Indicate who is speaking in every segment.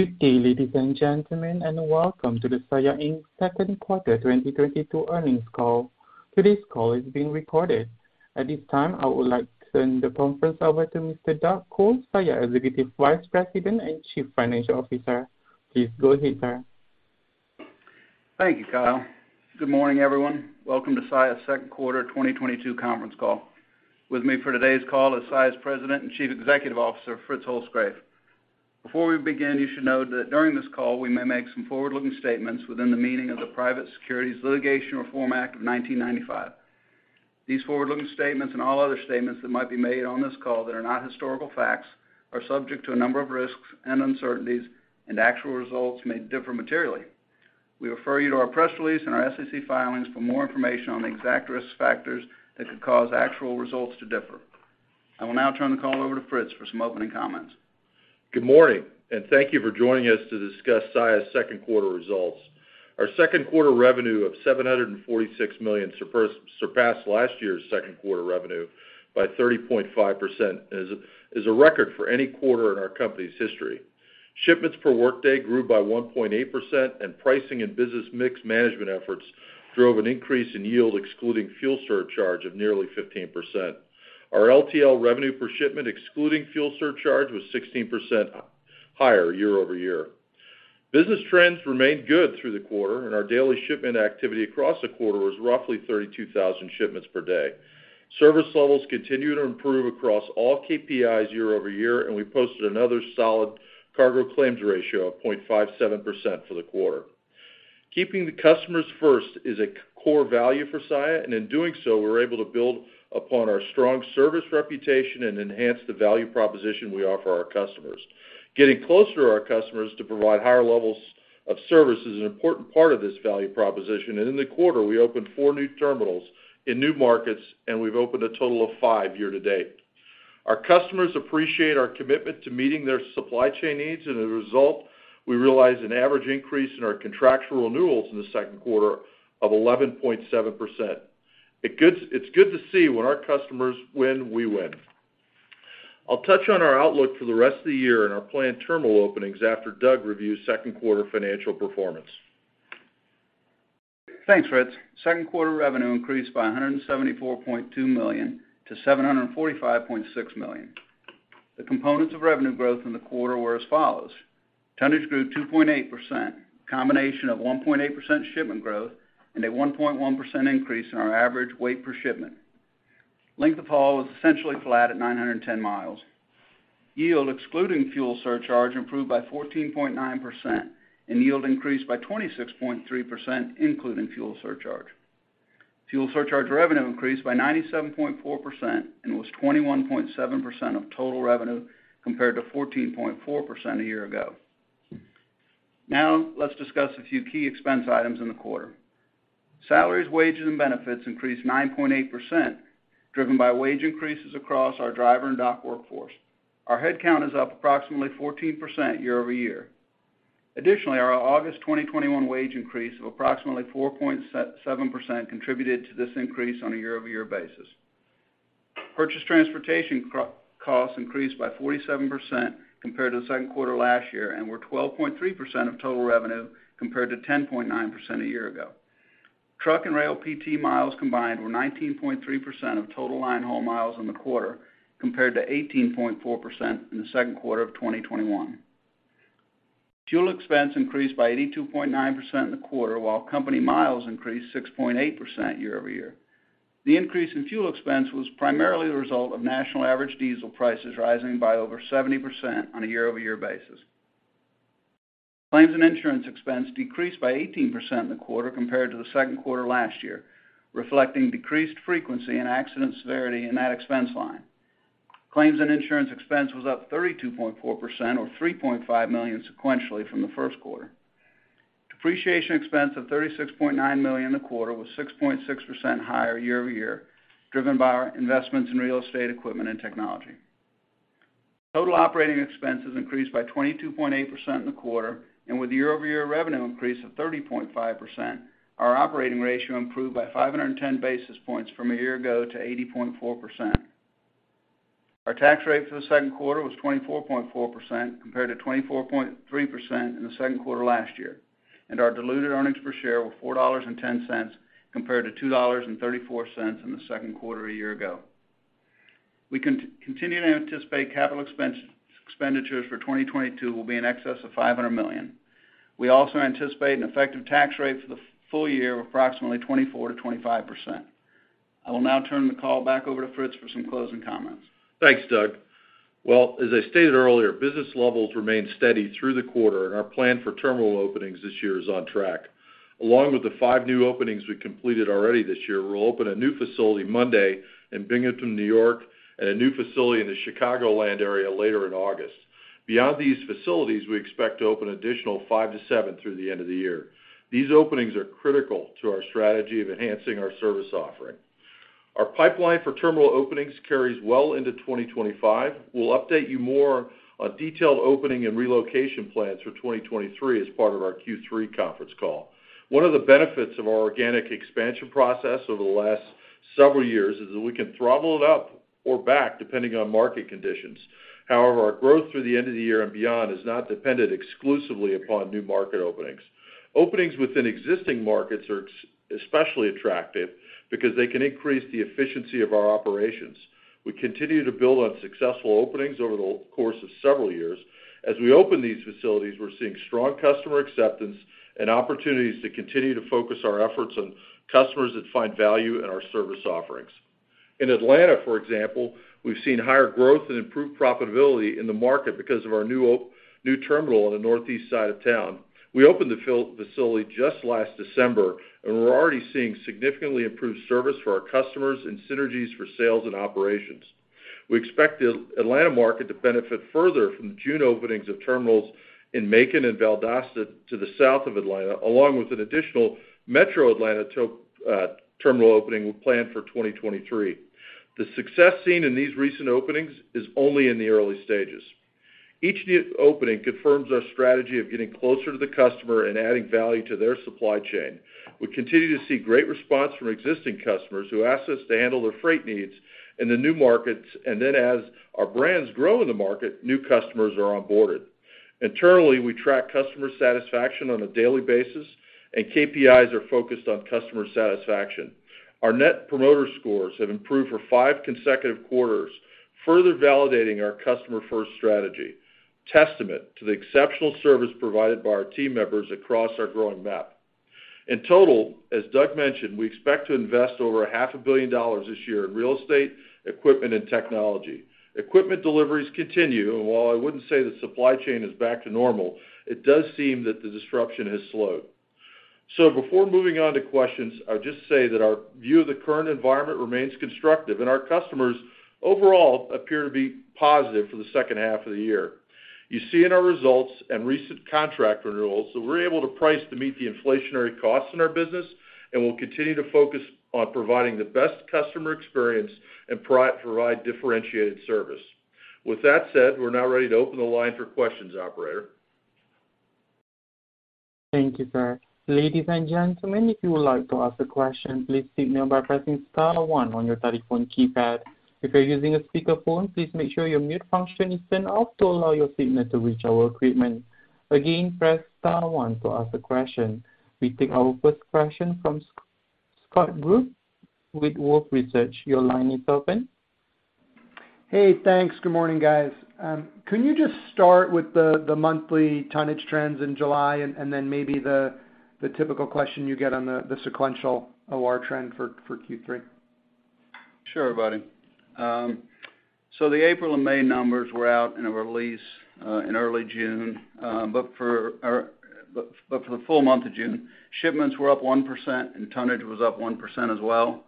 Speaker 1: Good day, ladies and gentlemen, and welcome to the Saia, Inc's second quarter 2022 earnings call. Today's call is being recorded. At this time, I would like to turn the conference over to Mr. Doug Col, Saia, Inc Executive Vice President and Chief Financial Officer. Please go ahead, sir.
Speaker 2: Thank you, Kyle. Good morning, everyone. Welcome to Saia's second quarter 2022 conference call. With me for today's call is Saia's President and Chief Executive Officer, Fritz Holzgrefe. Before we begin, you should know that during this call, we may make some forward-looking statements within the meaning of the Private Securities Litigation Reform Act of 1995. These forward-looking statements, and all other statements that might be made on this call that are not historical facts, are subject to a number of risks and uncertainties, and actual results may differ materially. We refer you to our press release and our SEC filings for more information on the exact risk factors that could cause actual results to differ. I will now turn the call over to Fritz for some opening comments.
Speaker 3: Good morning, and thank you for joining us to discuss Saia's second quarter results. Our second quarter revenue of $746 million surpassed last year's second quarter revenue by 30.5%. It is a record for any quarter in our company's history. Shipments per workday grew by 1.8%, and pricing and business mix management efforts drove an increase in yield excluding fuel surcharge of nearly 15%. Our LTL revenue per shipment excluding fuel surcharge was 16% higher year-over-year. Business trends remained good through the quarter, and our daily shipment activity across the quarter was roughly 32,000 shipments per day. Service levels continued to improve across all KPIs year-over-year, and we posted another solid cargo claims ratio of 0.57% for the quarter. Keeping the customers first is a core value for Saia, and in doing so, we're able to build upon our strong service reputation and enhance the value proposition we offer our customers. Getting closer to our customers to provide higher levels of service is an important part of this value proposition. In the quarter, we opened four new terminals in new markets, and we've opened a total of five year to date. Our customers appreciate our commitment to meeting their supply chain needs, and as a result, we realized an average increase in our contractual renewals in the second quarter of 11.7%. It's good to see when our customers win, we win. I'll touch on our outlook for the rest of the year and our planned terminal openings after Doug reviews second quarter financial performance.
Speaker 2: Thanks, Fritz. Second quarter revenue increased by $174.2 million-$745.6 million. The components of revenue growth in the quarter were as follows: tonnage grew 2.8%, combination of 1.8% shipment growth, and a 1.1% increase in our average weight per shipment. Length of haul was essentially flat at 910 mi. Yield, excluding fuel surcharge, improved by 14.9%, and yield increased by 26.3%, including fuel surcharge. Fuel surcharge revenue increased by 97.4% and was 21.7% of total revenue, compared to 14.4% a year ago. Now, let's discuss a few key expense items in the quarter. Salaries, wages, and benefits increased 9.8%, driven by wage increases across our driver and dock workforce. Our headcount is up approximately 14% year-over-year. Additionally, our August 2021 wage increase of approximately 4.7% contributed to this increase on a year-over-year basis. Purchase transportation costs increased by 47% compared to the second quarter last year and were 12.3% of total revenue compared to 10.9% a year ago. Truck and rail PT miles combined were 19.3% of total line haul miles in the quarter, compared to 18.4% in the second quarter of 2021. Fuel expense increased by 82.9% in the quarter, while company miles increased 6.8% year-over-year. The increase in fuel expense was primarily the result of national average diesel prices rising by over 70% on a year-over-year basis. Claims and insurance expense decreased by 18% in the quarter compared to the second quarter last year, reflecting decreased frequency and accident severity in that expense line. Claims and insurance expense was up 32.4% or $3.5 million sequentially from the first quarter. Depreciation expense of $36.9 million in the quarter was 6.6% higher year-over-year, driven by our investments in real estate, equipment, and technology. Total operating expenses increased by 22.8% in the quarter. With the year-over-year revenue increase of 30.5%, our operating ratio improved by 510 basis points from a year ago to 80.4%. Our tax rate for the second quarter was 24.4% compared to 24.3% in the second quarter last year. Our diluted earnings per share were $4.10 compared to $2.34 in the second quarter a year ago. We continue to anticipate capital expenditures for 2022 will be in excess of $500 million. We also anticipate an effective tax rate for the full year of approximately 24%-25%. I will now turn the call back over to Fritz for some closing comments.
Speaker 3: Thanks, Doug. Well, as I stated earlier, business levels remained steady through the quarter, and our plan for terminal openings this year is on track. Along with the five new openings we completed already this year, we'll open a new facility Monday in Binghamton, New York, and a new facility in the Chicagoland area later in August. Beyond these facilities, we expect to open additional five to seven through the end of the year. These openings are critical to our strategy of enhancing our service offering. Our pipeline for terminal openings carries well into 2025. We'll update you more on detailed opening and relocation plans for 2023 as part of our Q3 conference call. One of the benefits of our organic expansion process over the last several years is that we can throttle it up or back depending on market conditions. However, our growth through the end of the year and beyond is not dependent exclusively upon new market openings. Openings within existing markets are especially attractive because they can increase the efficiency of our operations. We continue to build on successful openings over the course of several years. As we open these facilities, we're seeing strong customer acceptance and opportunities to continue to focus our efforts on customers that find value in our service offerings. In Atlanta, for example, we've seen higher growth and improved profitability in the market because of our new terminal on the northeast side of town. We opened the facility just last December, and we're already seeing significantly improved service for our customers and synergies for sales and operations. We expect the Atlanta market to benefit further from the June openings of terminals in Macon and Valdosta to the south of Atlanta, along with an additional metro Atlanta terminal opening we plan for 2023. The success seen in these recent openings is only in the early stages. Each new opening confirms our strategy of getting closer to the customer and adding value to their supply chain. We continue to see great response from existing customers who ask us to handle their freight needs in the new markets, and then as our brands grow in the market, new customers are onboarded. Internally, we track customer satisfaction on a daily basis, and KPIs are focused on customer satisfaction. Our Net Promoter Scores have improved for five consecutive quarters, further validating our customer-first strategy, testament to the exceptional service provided by our team members across our growing map. In total, as Doug mentioned, we expect to invest over half a billion dollars this year in real estate, equipment, and technology. Equipment deliveries continue, and while I wouldn't say the supply chain is back to normal, it does seem that the disruption has slowed. Before moving on to questions, I'll just say that our view of the current environment remains constructive, and our customers overall appear to be positive for the second half of the year. You see in our results and recent contract renewals that we're able to price to meet the inflationary costs in our business, and we'll continue to focus on providing the best customer experience and provide differentiated service. With that said, we're now ready to open the line for questions, operator.
Speaker 1: Thank you, sir. Ladies and gentlemen, if you would like to ask a question, please signal by pressing star one on your telephone keypad. If you're using a speakerphone, please make sure your mute function is turned off to allow your signal to reach our equipment. Again, press star one to ask a question. We take our first question from Scott Group with Wolfe Research. Your line is open.
Speaker 4: Hey, thanks. Good morning, guys. Can you just start with the monthly tonnage trends in July and then maybe the typical question you get on the sequential OR trend for Q3?
Speaker 2: Sure, buddy. The April and May numbers were out in a release in early June, but for the full month of June, shipments were up 1%, and tonnage was up 1% as well.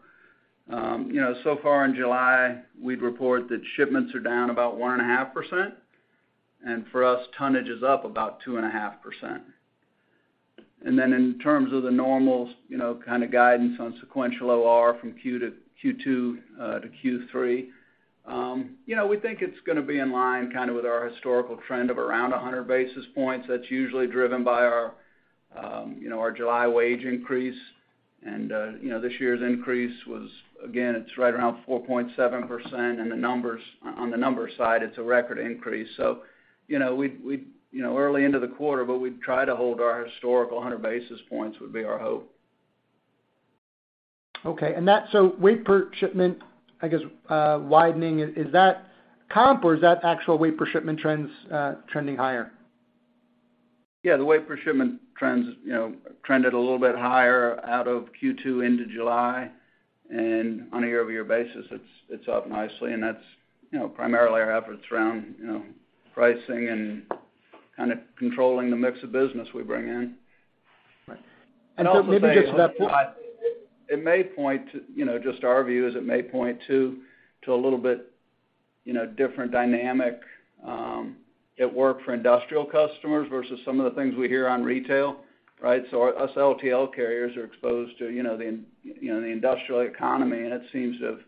Speaker 2: You know, so far in July, we'd report that shipments are down about 1.5%, and for us, tonnage is up about 2.5%. Then in terms of the normal, you know, kind of guidance on sequential OR from Q2 to Q3, you know, we think it's gonna be in line kind of with our historical trend of around 100 basis points. That's usually driven by our July wage increase. You know, this year's increase was, again, it's right around 4.7%, and the numbers on the numbers side, it's a record increase. You know, we'd, you know, early into the quarter, but we'd try to hold our historical 100 basis points would be our hope.
Speaker 4: Weight per shipment, I guess, widening. Is that comp, or is that actual weight per shipment trends trending higher?
Speaker 2: Yeah, the weight per shipment trends, you know, trended a little bit higher out of Q2 into July. On a year-over-year basis, it's up nicely, and that's, you know, primarily our efforts around, you know, pricing and kind of controlling the mix of business we bring in.
Speaker 4: Right. Maybe just to that point.
Speaker 2: You know, just our view is it may point to a little bit different dynamic at work for industrial customers versus some of the things we hear on retail, right? Us LTL carriers are exposed to you know the industrial economy, and it seems to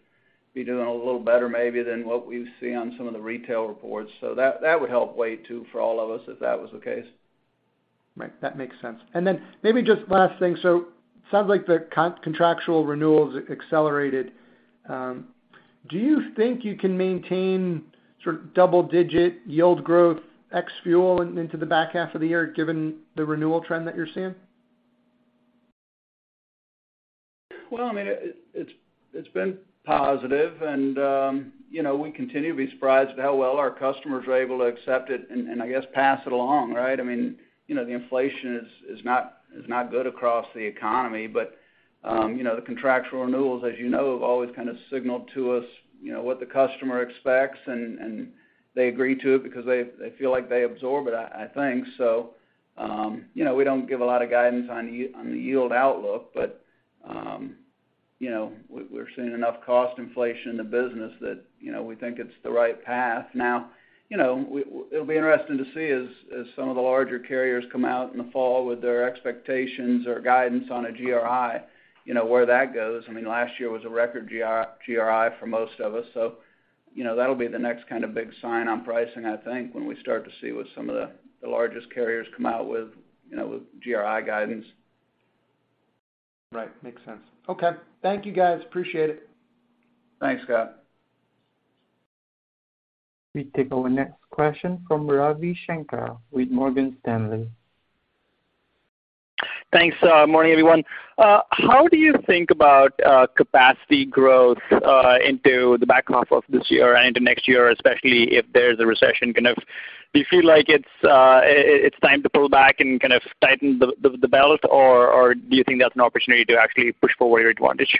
Speaker 2: be doing a little better maybe than what we've seen on some of the retail reports. That would help with it too for all of us if that was the case.
Speaker 4: Right. That makes sense. Then maybe just last thing. Sounds like the contractual renewals accelerated. Do you think you can maintain sort of double-digit yield growth ex-fuel into the back half of the year given the renewal trend that you're seeing?
Speaker 2: Well, I mean, it's been positive and, you know, we continue to be surprised at how well our customers are able to accept it and I guess pass it along, right? I mean, you know, the inflation is not good across the economy. You know, the contractual renewals, as you know, have always kind of signaled to us, you know, what the customer expects and they agree to it because they feel like they absorb it, I think. You know, we don't give a lot of guidance on the yield outlook, but, you know, we're seeing enough cost inflation in the business that, you know, we think it's the right path. Now, you know, it'll be interesting to see as some of the larger carriers come out in the fall with their expectations or guidance on a GRI, you know, where that goes. I mean, last year was a record GRI for most of us, so You know, that'll be the next kind of big sign on pricing, I think, when we start to see what some of the largest carriers come out with, you know, with GRI guidance.
Speaker 4: Right. Makes sense. Okay. Thank you, guys. Appreciate it.
Speaker 2: Thanks, Scott.
Speaker 1: We take our next question from Ravi Shanker with Morgan Stanley.
Speaker 5: Thanks. Morning, everyone. How do you think about capacity growth into the back half of this year and into next year, especially if there's a recession? Kind of do you feel like it's time to pull back and kind of tighten the belt? Or do you think that's an opportunity to actually push for where your advantage?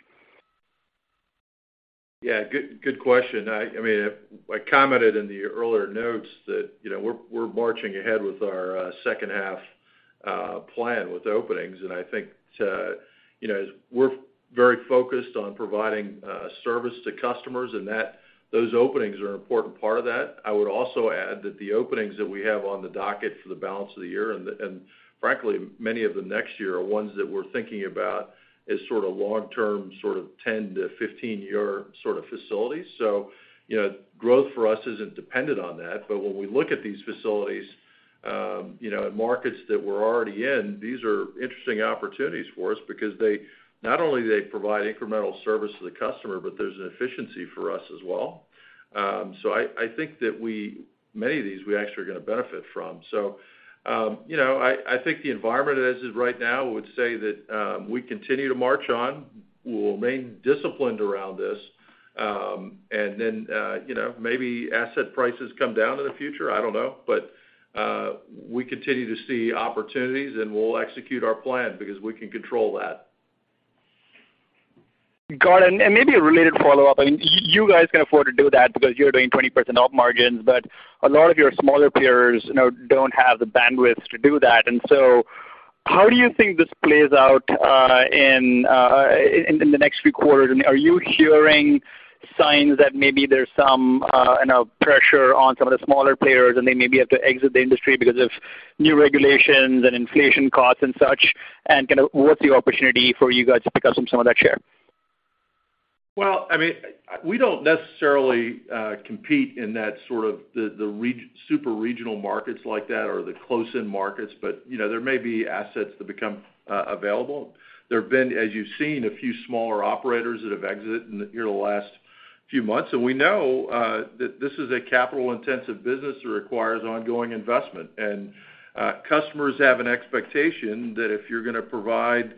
Speaker 3: Yeah. Good question. I mean, I commented in the earlier notes that, you know, we're marching ahead with our second half plan with openings. I think, you know, as we're very focused on providing service to customers, and that those openings are an important part of that. I would also add that the openings that we have on the docket for the balance of the year, and frankly, many of them next year are ones that we're thinking about as sort of long-term, sort of 10-15-year sort of facilities. You know, growth for us isn't dependent on that. When we look at these facilities, you know, in markets that we're already in, these are interesting opportunities for us because they not only provide incremental service to the customer, but there's an efficiency for us as well. I think that many of these, we actually are gonna benefit from. You know, I think the environment as is right now would say that we continue to march on. We'll remain disciplined around this. Then, you know, maybe asset prices come down in the future. I don't know. We continue to see opportunities, and we'll execute our plan because we can control that.
Speaker 5: Got it. Maybe a related follow-up. I mean, you guys can afford to do that because you're doing 20% op margins, but a lot of your smaller peers, you know, don't have the bandwidth to do that. How do you think this plays out in the next few quarters? Are you hearing signs that maybe there's some, you know, pressure on some of the smaller players and they maybe have to exit the industry because of new regulations and inflation costs and such? Kinda what's the opportunity for you guys to pick up some of that share?
Speaker 3: Well, I mean, we don't necessarily compete in that sort of the super regional markets like that or the close-in markets, but, you know, there may be assets that become available. There have been, as you've seen, a few smaller operators that have exited in the last few months. We know that this is a capital-intensive business that requires ongoing investment. Customers have an expectation that if you're gonna provide,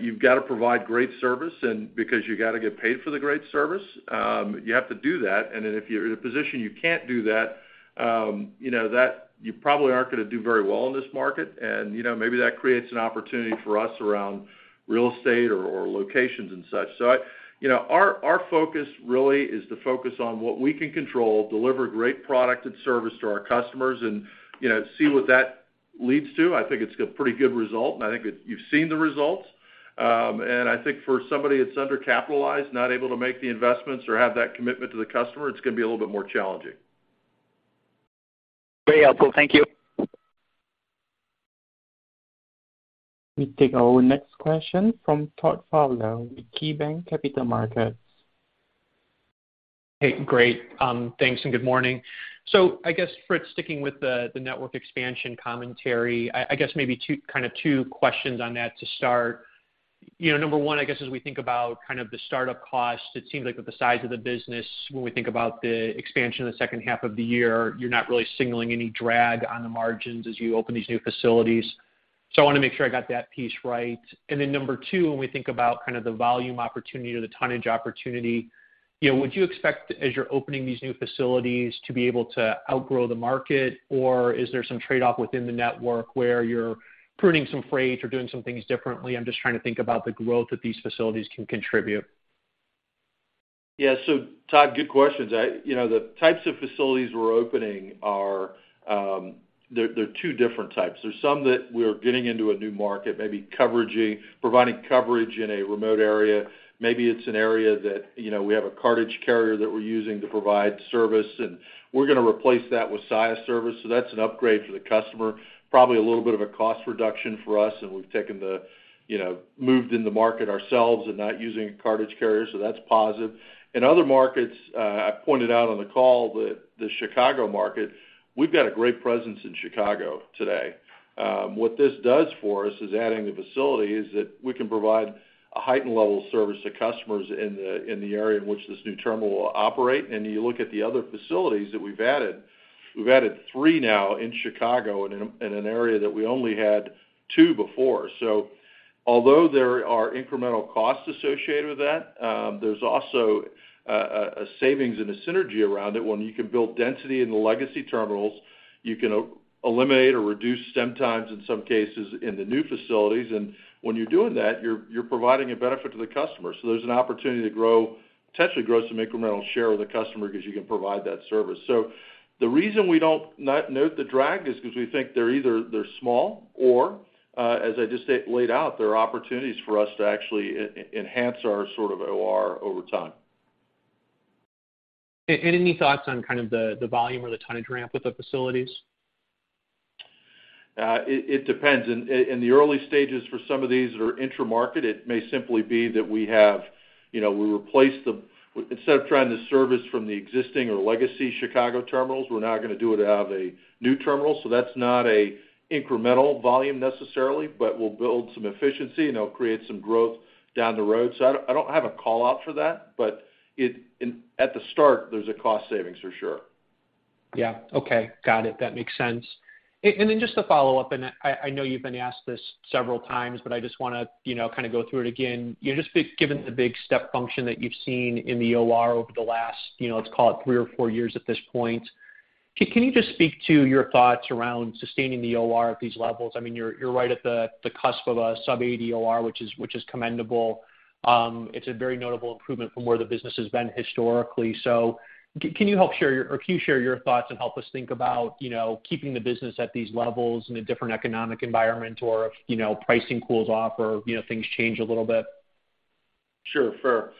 Speaker 3: you've got to provide great service and because you got to get paid for the great service, you have to do that. If you're in a position you can't do that, you know, that you probably aren't gonna do very well in this market. You know, maybe that creates an opportunity for us around real estate or locations and such. You know, our focus really is to focus on what we can control, deliver great product and service to our customers and, you know, see what that leads to. I think it's a pretty good result, and I think that you've seen the results. I think for somebody that's undercapitalized, not able to make the investments or have that commitment to the customer, it's gonna be a little bit more challenging.
Speaker 5: Very helpful. Thank you.
Speaker 1: We take our next question from Todd Fowler with KeyBanc Capital Markets.
Speaker 6: Hey, great. Thanks, and good morning. I guess, Fritz, sticking with the network expansion commentary, I guess maybe two questions on that to start. You know, number one, I guess, as we think about the startup cost, it seems like with the size of the business, when we think about the expansion in the second half of the year, you're not really signaling any drag on the margins as you open these new facilities. I wanna make sure I got that piece right. Then number two, when we think about the volume opportunity or the tonnage opportunity, you know, would you expect, as you're opening these new facilities, to be able to outgrow the market? Or is there some trade-off within the network where you're pruning some freight or doing some things differently? I'm just trying to think about the growth that these facilities can contribute.
Speaker 3: Yeah. Todd, good questions. You know, the types of facilities we're opening are, they're two different types. There's some that we're getting into a new market, providing coverage in a remote area. Maybe it's an area that, you know, we have a cartage carrier that we're using to provide service, and we're gonna replace that with Saia service. That's an upgrade for the customer. Probably a little bit of a cost reduction for us, and we've taken the, you know, moved in the market ourselves and not using a cartage carrier, that's positive. In other markets, I pointed out on the call that the Chicago market, we've got a great presence in Chicago today. What this does for us is adding the facilities that we can provide a heightened level of service to customers in the area in which this new terminal will operate. You look at the other facilities that we've added, we've added three now in Chicago in an area that we only had two before. Although there are incremental costs associated with that, there's also a savings and a synergy around it. When you can build density in the legacy terminals, you can eliminate or reduce sometimes in some cases in the new facilities. When you're doing that, you're providing a benefit to the customer. There's an opportunity to grow, potentially grow some incremental share with a customer because you can provide that service. The reason we don't not note the drag is because we think they're either small or, as I just laid out, there are opportunities for us to actually enhance our sort of OR over time.
Speaker 6: Any thoughts on kind of the volume or the tonnage ramp with the facilities?
Speaker 3: It depends. In the early stages for some of these that are intra-market, it may simply be that we have, you know, we replace instead of trying to service from the existing or legacy Chicago terminals, we're now gonna do it out of a new terminal, so that's not an incremental volume necessarily, but we'll build some efficiency, and it'll create some growth down the road. I don't have a call-out for that. At the start, there's a cost savings for sure.
Speaker 6: Yeah. Okay. Got it. That makes sense. Then just to follow up, I know you've been asked this several times, but I just wanna, you know, kind of go through it again. You know, just given the big step function that you've seen in the OR over the last, you know, let's call it three or four years at this point, can you just speak to your thoughts around sustaining the OR at these levels? I mean, you're right at the cusp of a sub-80 OR, which is commendable. It's a very notable improvement from where the business has been historically. Can you share your thoughts and help us think about, you know, keeping the business at these levels in a different economic environment or if, you know, pricing cools off or, you know, things change a little bit?
Speaker 3: Sure. Fair.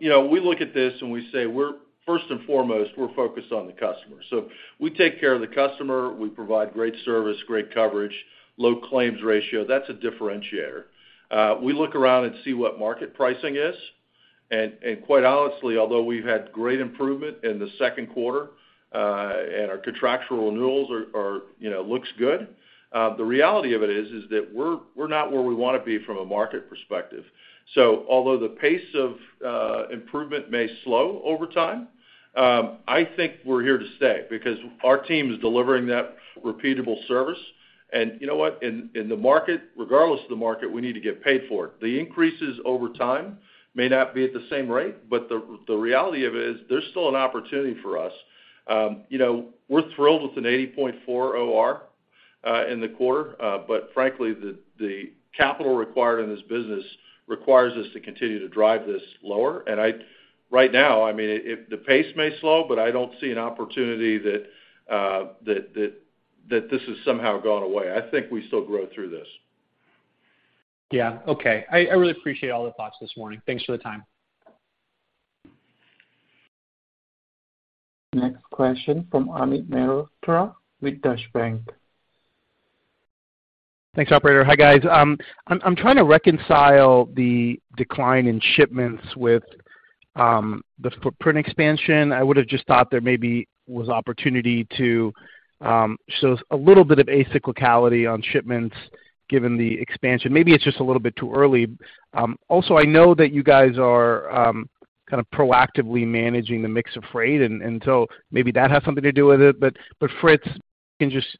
Speaker 3: You know, we look at this and we say, we're first and foremost, we're focused on the customer. So we take care of the customer, we provide great service, great coverage, low claims ratio. That's a differentiator. We look around and see what market pricing is, and quite honestly, although we've had great improvement in the second quarter, and our contractual renewals are, you know, looks good, the reality of it is that we're not where we wanna be from a market perspective. So although the pace of improvement may slow over time, I think we're here to stay because our team is delivering that repeatable service. You know what? In the market, regardless of the market, we need to get paid for it. The increases over time may not be at the same rate, but the reality of it is there's still an opportunity for us. You know, we're thrilled with an 80.4 OR in the quarter. Frankly, the capital required in this business requires us to continue to drive this lower. Right now, I mean, the pace may slow, but I don't see an opportunity that this has somehow gone away. I think we still grow through this.
Speaker 6: Yeah. Okay. I really appreciate all the thoughts this morning. Thanks for the time.
Speaker 1: Next question from Amit Mehrotra with Deutsche Bank.
Speaker 7: Thanks, operator. Hi, guys. I'm trying to reconcile the decline in shipments with the footprint expansion. I would've just thought there maybe was opportunity to show a little bit of a cyclicality on shipments given the expansion. Maybe it's just a little bit too early. Also, I know that you guys are kind of proactively managing the mix of freight, and so maybe that has something to do with it. Fritz, can you just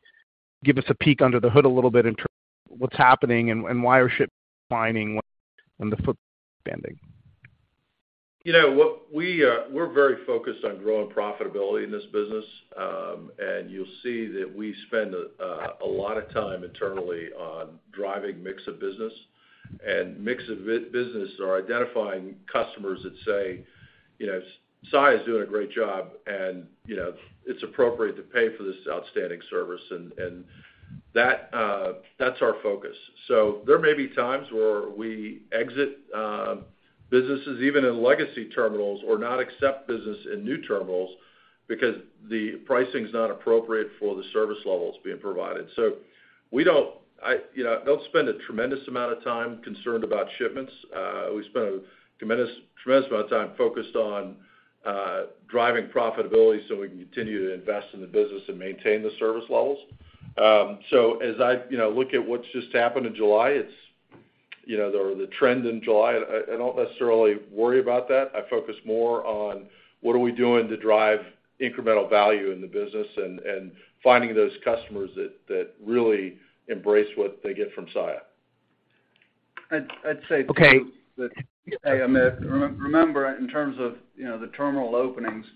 Speaker 7: give us a peek under the hood a little bit in terms of what's happening and why are shipments declining when the footprint is expanding?
Speaker 3: You know, we're very focused on growing profitability in this business. You'll see that we spend a lot of time internally on driving mix of business or identifying customers that say, you know, Saia is doing a great job, and, you know, it's appropriate to pay for this outstanding service, and that that's our focus. There may be times where we exit businesses even in legacy terminals or not accept business in new terminals because the pricing is not appropriate for the service levels being provided. You know, I don't spend a tremendous amount of time concerned about shipments. We spend a tremendous amount of time focused on driving profitability so we can continue to invest in the business and maintain the service levels. As I, you know, look at what just happened in July, it's, you know, the trend in July, I don't necessarily worry about that. I focus more on what are we doing to drive incremental value in the business and finding those customers that really embrace what they get from Saia.
Speaker 2: I'd say.
Speaker 7: Okay.
Speaker 2: Hey, Amit. Remember, in terms of, you know, the terminal openings,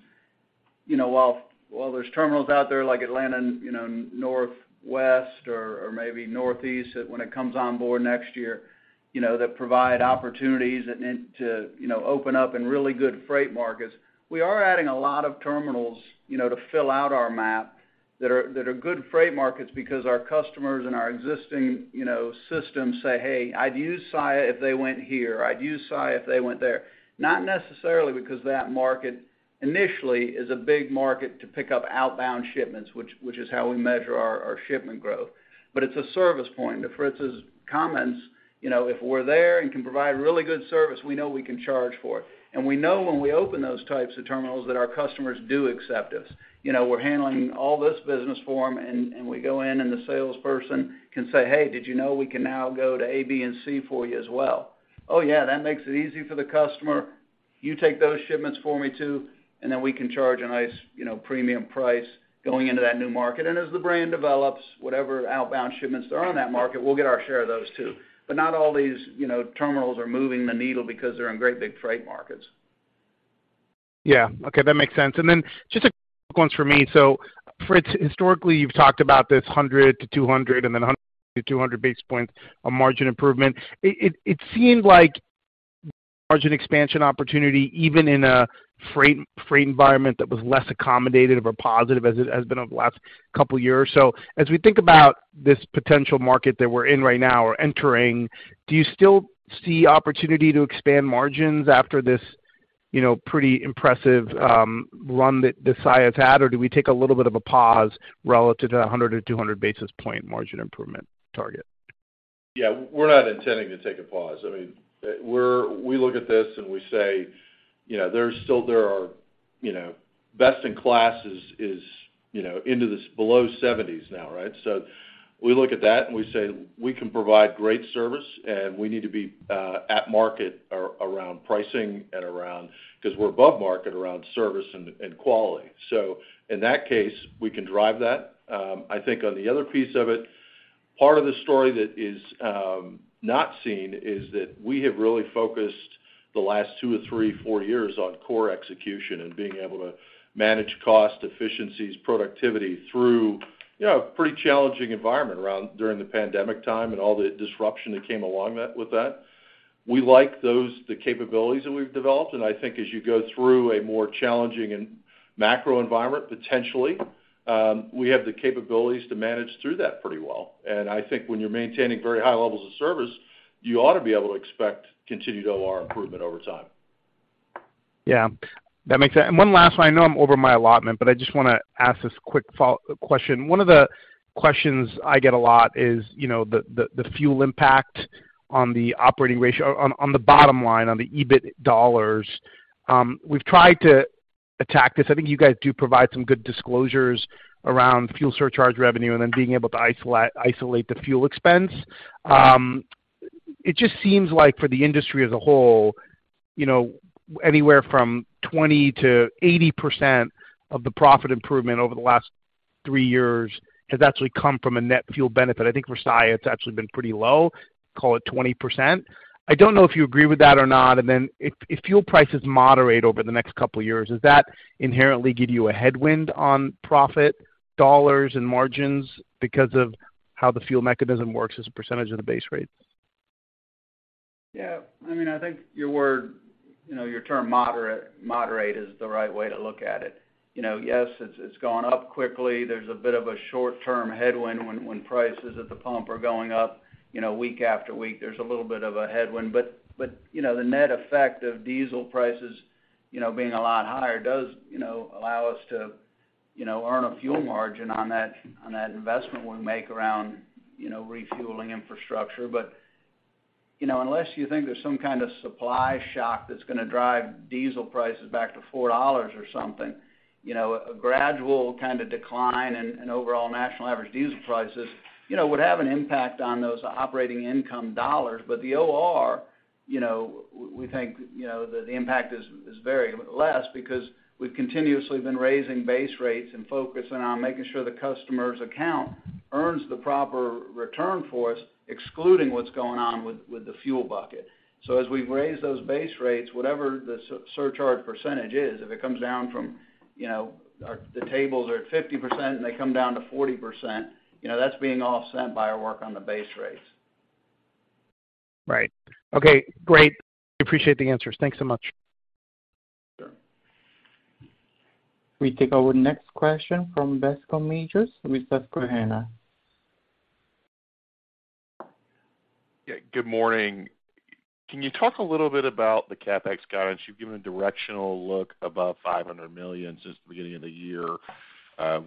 Speaker 2: you know, while there's terminals out there like Atlanta, you know, Northwest or maybe Northeast when it comes on board next year, you know, that provide opportunities and to, you know, open up in really good freight markets. We are adding a lot of terminals, you know, to fill out our map that are good freight markets because our customers and our existing, you know, systems say, "Hey, I'd use Saia if they went here. I'd use Saia if they went there." Not necessarily because that market initially is a big market to pick up outbound shipments which is how we measure our shipment growth. It's a service point. To Fritz's comments, you know, if we're there and can provide really good service, we know we can charge for it. We know when we open those types of terminals that our customers do accept us. You know, we're handling all this business for them, and we go in and the salesperson can say, "Hey, did you know we can now go to A, B, and C for you as well?" Oh, yeah, that makes it easy for the customer. You take those shipments for me too, and then we can charge a nice, you know, premium price going into that new market. As the brand develops, whatever outbound shipments that are on that market, we'll get our share of those too. Not all these, you know, terminals are moving the needle because they're in great big freight markets.
Speaker 7: Yeah. Okay, that makes sense. Just a quick one for me. Fritz, historically, you've talked about this 100-200, and then 100-200 basis points on margin improvement. It seemed like margin expansion opportunity even in a freight environment that was less accommodative or positive as it has been over the last couple years. As we think about this potential market that we're in right now or entering, do you still see opportunity to expand margins after this. You know, pretty impressive run that Saia's had or do we take a little bit of a pause relative to a 100-200 basis point margin improvement target?
Speaker 3: Yeah. We're not intending to take a pause. I mean, we look at this, and we say, you know, there are, you know, best in class is, you know, in the 70s now, right? So we look at that, and we say we can provide great service, and we need to be at market around pricing and around 'cause we're above market around service and quality. So in that case, we can drive that. I think on the other piece of it, part of the story that is not seen is that we have focused the last two to three, four years on core execution and being able to manage cost efficiencies, productivity through, you know, a pretty challenging environment during the pandemic time and all the disruption that came along with that. We like those, the capabilities that we've developed, and I think as you go through a more challenging and macro environment, potentially, we have the capabilities to manage through that pretty well. I think when you're maintaining very high levels of service, you ought to be able to expect continued OR improvement over time.
Speaker 7: Yeah. That makes sense. One last one. I know I'm over my allotment, but I just wanna ask this quick follow-up question. One of the questions I get a lot is, you know, the fuel impact on the operating ratio, on the bottom line, on the EBIT dollars. We've tried to attack this. I think you guys do provide some good disclosures around fuel surcharge revenue and then being able to isolate the fuel expense. It just seems like for the industry as a whole, you know, anywhere from 20%-80% of the profit improvement over the last three years has actually come from a net fuel benefit. I think for Saia, it's actually been pretty low, call it 20%. I don't know if you agree with that or not. If fuel prices moderate over the next couple of years, does that inherently give you a headwind on profit dollars and margins because of how the fuel mechanism works as a percentage of the base rate?
Speaker 2: Yeah. I mean, I think your word, you know, your term moderate is the right way to look at it. You know? Yes, it's gone up quickly. There's a bit of a short-term headwind when prices at the pump are going up, you know, week after week. There's a little bit of a headwind. You know, the net effect of diesel prices, you know, being a lot higher does, you know, allow us to, you know, earn a fuel margin on that investment we make around, you know, refueling infrastructure. You know, unless you think there's some kind of supply shock that's gonna drive diesel prices back to $4 or something, you know, a gradual kind of decline in overall national average diesel prices, you know, would have an impact on those operating income dollars. The OR, you know, we think, you know, the impact is very less because we've continuously been raising base rates and focusing on making sure the customer's account earns the proper return for us, excluding what's going on with the fuel bucket. As we've raised those base rates, whatever the surcharge percentage is, if it comes down from, you know, our tables are at 50%, and they come down to 40%, you know, that's being offset by our work on the base rates.
Speaker 7: Right. Okay. Great. Appreciate the answers. Thanks so much.
Speaker 2: Sure.
Speaker 1: We take our next question from Bascome Majors with Susquehanna.
Speaker 8: Yeah, good morning. Can you talk a little bit about the CapEx guidance? You've given a directional look above $500 million since the beginning of the year.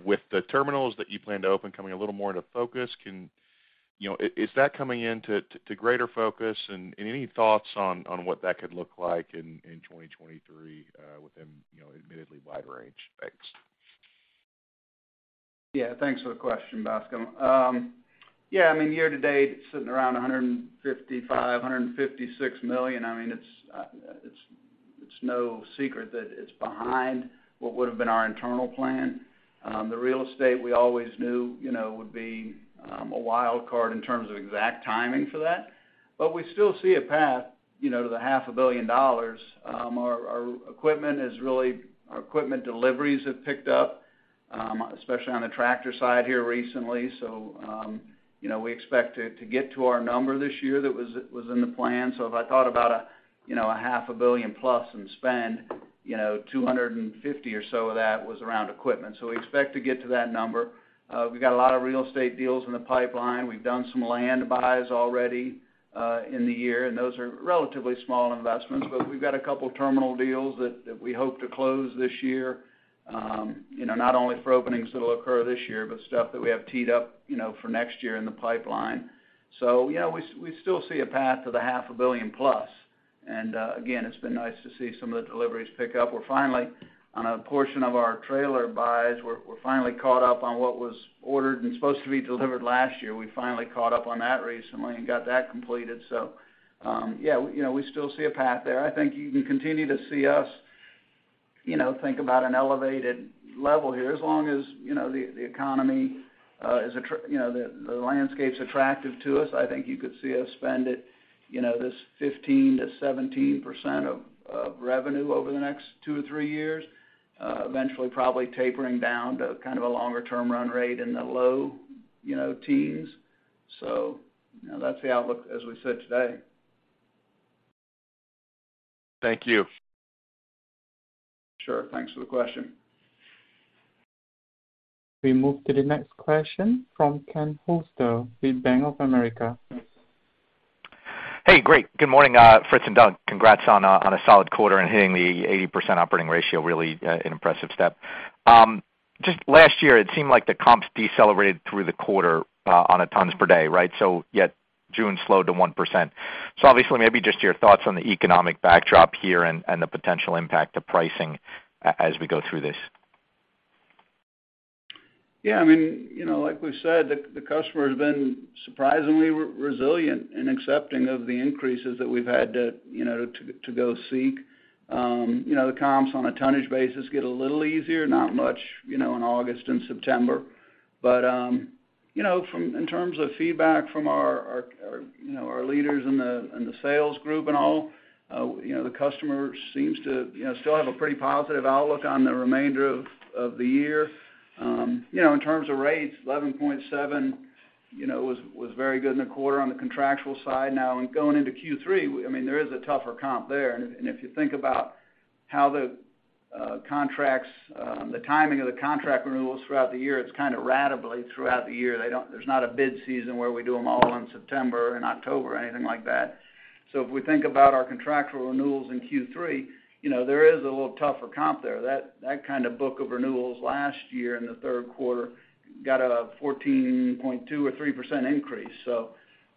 Speaker 8: With the terminals that you plan to open coming a little more into focus, you know, is that coming into greater focus? Any thoughts on what that could look like in 2023, within, you know, admittedly wide range? Thanks.
Speaker 2: Yeah, thanks for the question, Bascome. Yeah, I mean, year to date, it's sitting around $155 million-$156 million. I mean, it's no secret that it's behind what would've been our internal plan. The real estate we always knew, you know, would be a wild card in terms of exact timing for that. We still see a path, you know, to the half a billion dollars. Our equipment deliveries have picked up, especially on the tractor side here recently. You know, we expect to get to our number this year that was in the plan. If I thought about, you know, a half a billion plus in spend, you know, $250 or so of that was around equipment. We expect to get to that number. We've got a lot of real estate deals in the pipeline. We've done some land buys already in the year, and those are relatively small investments. We've got a couple terminal deals that we hope to close this year, you know, not only for openings that'll occur this year, but stuff that we have teed up, you know, for next year in the pipeline. You know, we still see a path to the half a billion plus. Again, it's been nice to see some of the deliveries pick up. We're finally on a portion of our trailer buys, we're finally caught up on what was ordered and supposed to be delivered last year. We finally caught up on that recently and got that completed. Yeah, you know, we still see a path there. I think you can continue to see us, you know, think about an elevated level here. As long as, you know, the economy you know, the landscape's attractive to us, I think you could see us spend it, you know, this 15%-17% of revenue over the next two to three years, eventually probably tapering down to kind of a longer term run rate in the low, you know, teens. You know, that's the outlook as we sit today.
Speaker 8: Thank you.
Speaker 2: Sure. Thanks for the question.
Speaker 3: We move to the next question from Ken Hoexter with Bank of America.
Speaker 9: Hey, great. Good morning, Fritz and Doug. Congrats on a solid quarter and hitting the 80% operating ratio, really, an impressive step. Just last year, it seemed like the comps decelerated through the quarter, on a tons per day, right? Obviously, maybe just your thoughts on the economic backdrop here and the potential impact to pricing as we go through this.
Speaker 2: Yeah, I mean, you know, like we said, the customer has been surprisingly resilient in accepting of the increases that we've had to you know to go seek. You know, the comps on a tonnage basis get a little easier, not much, you know, in August and September. In terms of feedback from our you know our leaders in the sales group and all, you know, the customer seems to you know still have a pretty positive outlook on the remainder of the year. You know, in terms of rates, 11.7% you know was very good in the quarter on the contractual side. Now going into Q3, I mean, there is a tougher comp there. If you think about how the contracts, the timing of the contract renewals throughout the year, it's kind of ratably throughout the year. There's not a bid season where we do them all in September and October or anything like that. If we think about our contractual renewals in Q3, you know, there is a little tougher comp there. That kind of book of renewals last year in the third quarter got a 14.2% or 3% increase.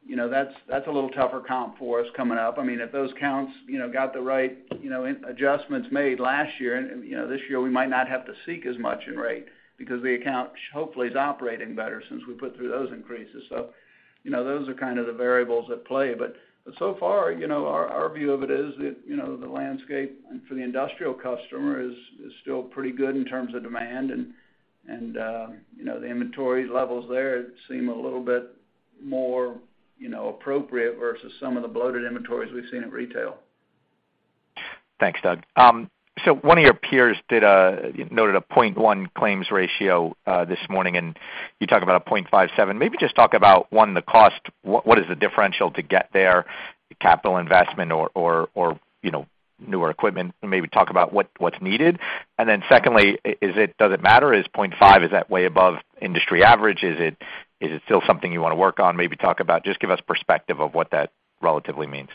Speaker 2: You know, that's a little tougher comp for us coming up. I mean, if those accounts, you know, got the right, you know, adjustments made last year, you know, this year, we might not have to seek as much in rate because the account hopefully is operating better since we put through those increases. You know, those are kind of the variables at play. So far, you know, our view of it is that, you know, the landscape for the industrial customer is still pretty good in terms of demand and, you know, the inventory levels there seem a little bit more, you know, appropriate versus some of the bloated inventories we've seen at retail.
Speaker 9: Thanks, Doug. One of your peers noted a 0.1% claims ratio this morning, and you talk about a 0.57%. Maybe just talk about one, the cost. What is the differential to get there, capital investment or you know, newer equipment? Maybe talk about what's needed. Secondly, does it matter? Is 0.5%, is that way above industry average? Is it still something you wanna work on? Just give us perspective of what that relatively means.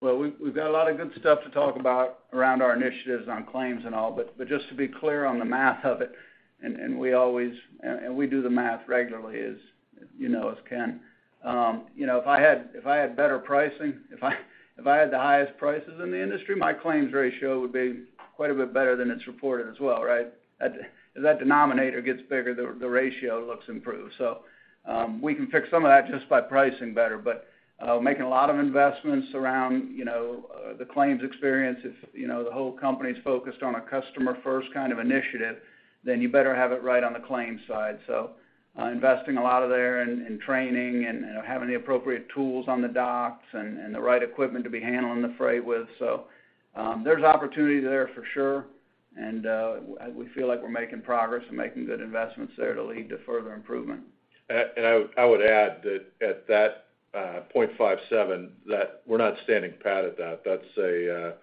Speaker 2: Well, we've got a lot of good stuff to talk about around our initiatives on claims and all. Just to be clear on the math of it, and we always do the math regularly as you know, as Ken. You know, if I had better pricing, if I had the highest prices in the industry, my claims ratio would be quite a bit better than it's reported as well, right? That denominator gets bigger, the ratio looks improved. We can fix some of that just by pricing better. Making a lot of investments around you know the claims experience. If you know the whole company is focused on a customer first kind of initiative, then you better have it right on the claims side. Investing a lot over there and training and having the appropriate tools on the docks and the right equipment to be handling the freight with. There's opportunity there for sure, and we feel like we're making progress and making good investments there to lead to further improvement.
Speaker 3: I would add that at that 0.57%, that we're not standing pat at that. That's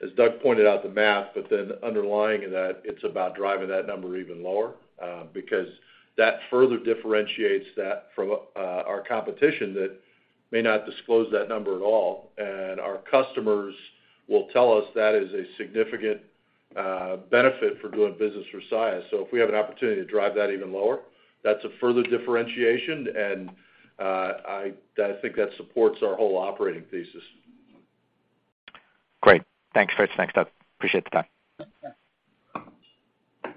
Speaker 3: as Doug pointed out the math, but then underlying that, it's about driving that number even lower, because that further differentiates that from our competition that may not disclose that number at all. Our customers will tell us that is a significant benefit for doing business for Saia. If we have an opportunity to drive that even lower, that's a further differentiation, and I think that supports our whole operating thesis.
Speaker 9: Great. Thanks, Fritz. Thanks, Doug. Appreciate the time.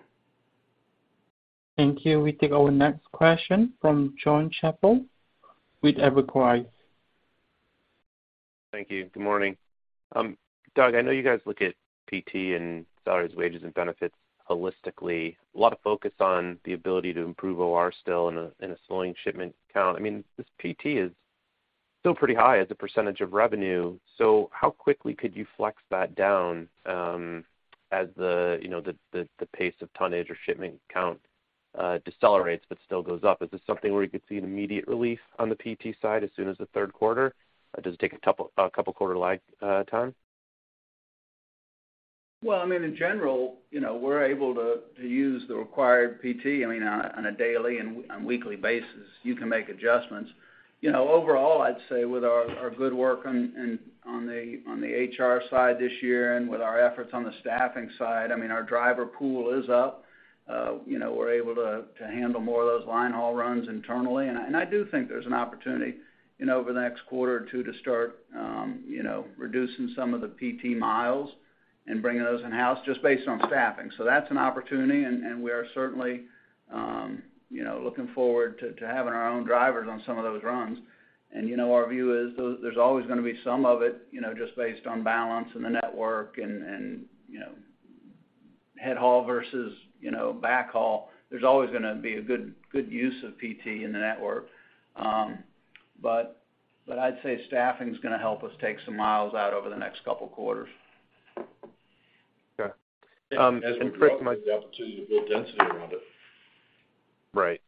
Speaker 1: Thank you. We take our next question from Jon Chappell with Evercore.
Speaker 10: Thank you. Good morning. Doug, I know you guys look at PT and salaries, wages, and benefits holistically. A lot of focus on the ability to improve OR still in a slowing shipment count. I mean, this PT is still pretty high as a percentage of revenue. How quickly could you flex that down, you know, the pace of tonnage or shipment count decelerates but still goes up? Is this something where you could see an immediate relief on the PT side as soon as the third quarter? Does it take a couple quarter lag time?
Speaker 2: Well, I mean, in general, you know, we're able to use the required PT. I mean, on a daily and weekly basis, you can make adjustments. You know, overall, I'd say with our good work on the HR side this year and with our efforts on the staffing side, I mean, our driver pool is up. You know, we're able to handle more of those line haul runs internally. I do think there's an opportunity, you know, over the next quarter or two to start, you know, reducing some of the PT miles and bringing those in-house just based on staffing. That's an opportunity, and we are certainly, you know, looking forward to having our own drivers on some of those runs. You know, our view is there's always gonna be some of it, you know, just based on balance in the network and, you know, head haul versus, you know, backhaul. There's always gonna be a good use of PT in the network. But I'd say staffing is gonna help us take some miles out over the next couple quarters.
Speaker 10: Okay. Fritz-
Speaker 3: As we grow, we have the opportunity to build density around it.
Speaker 10: Right,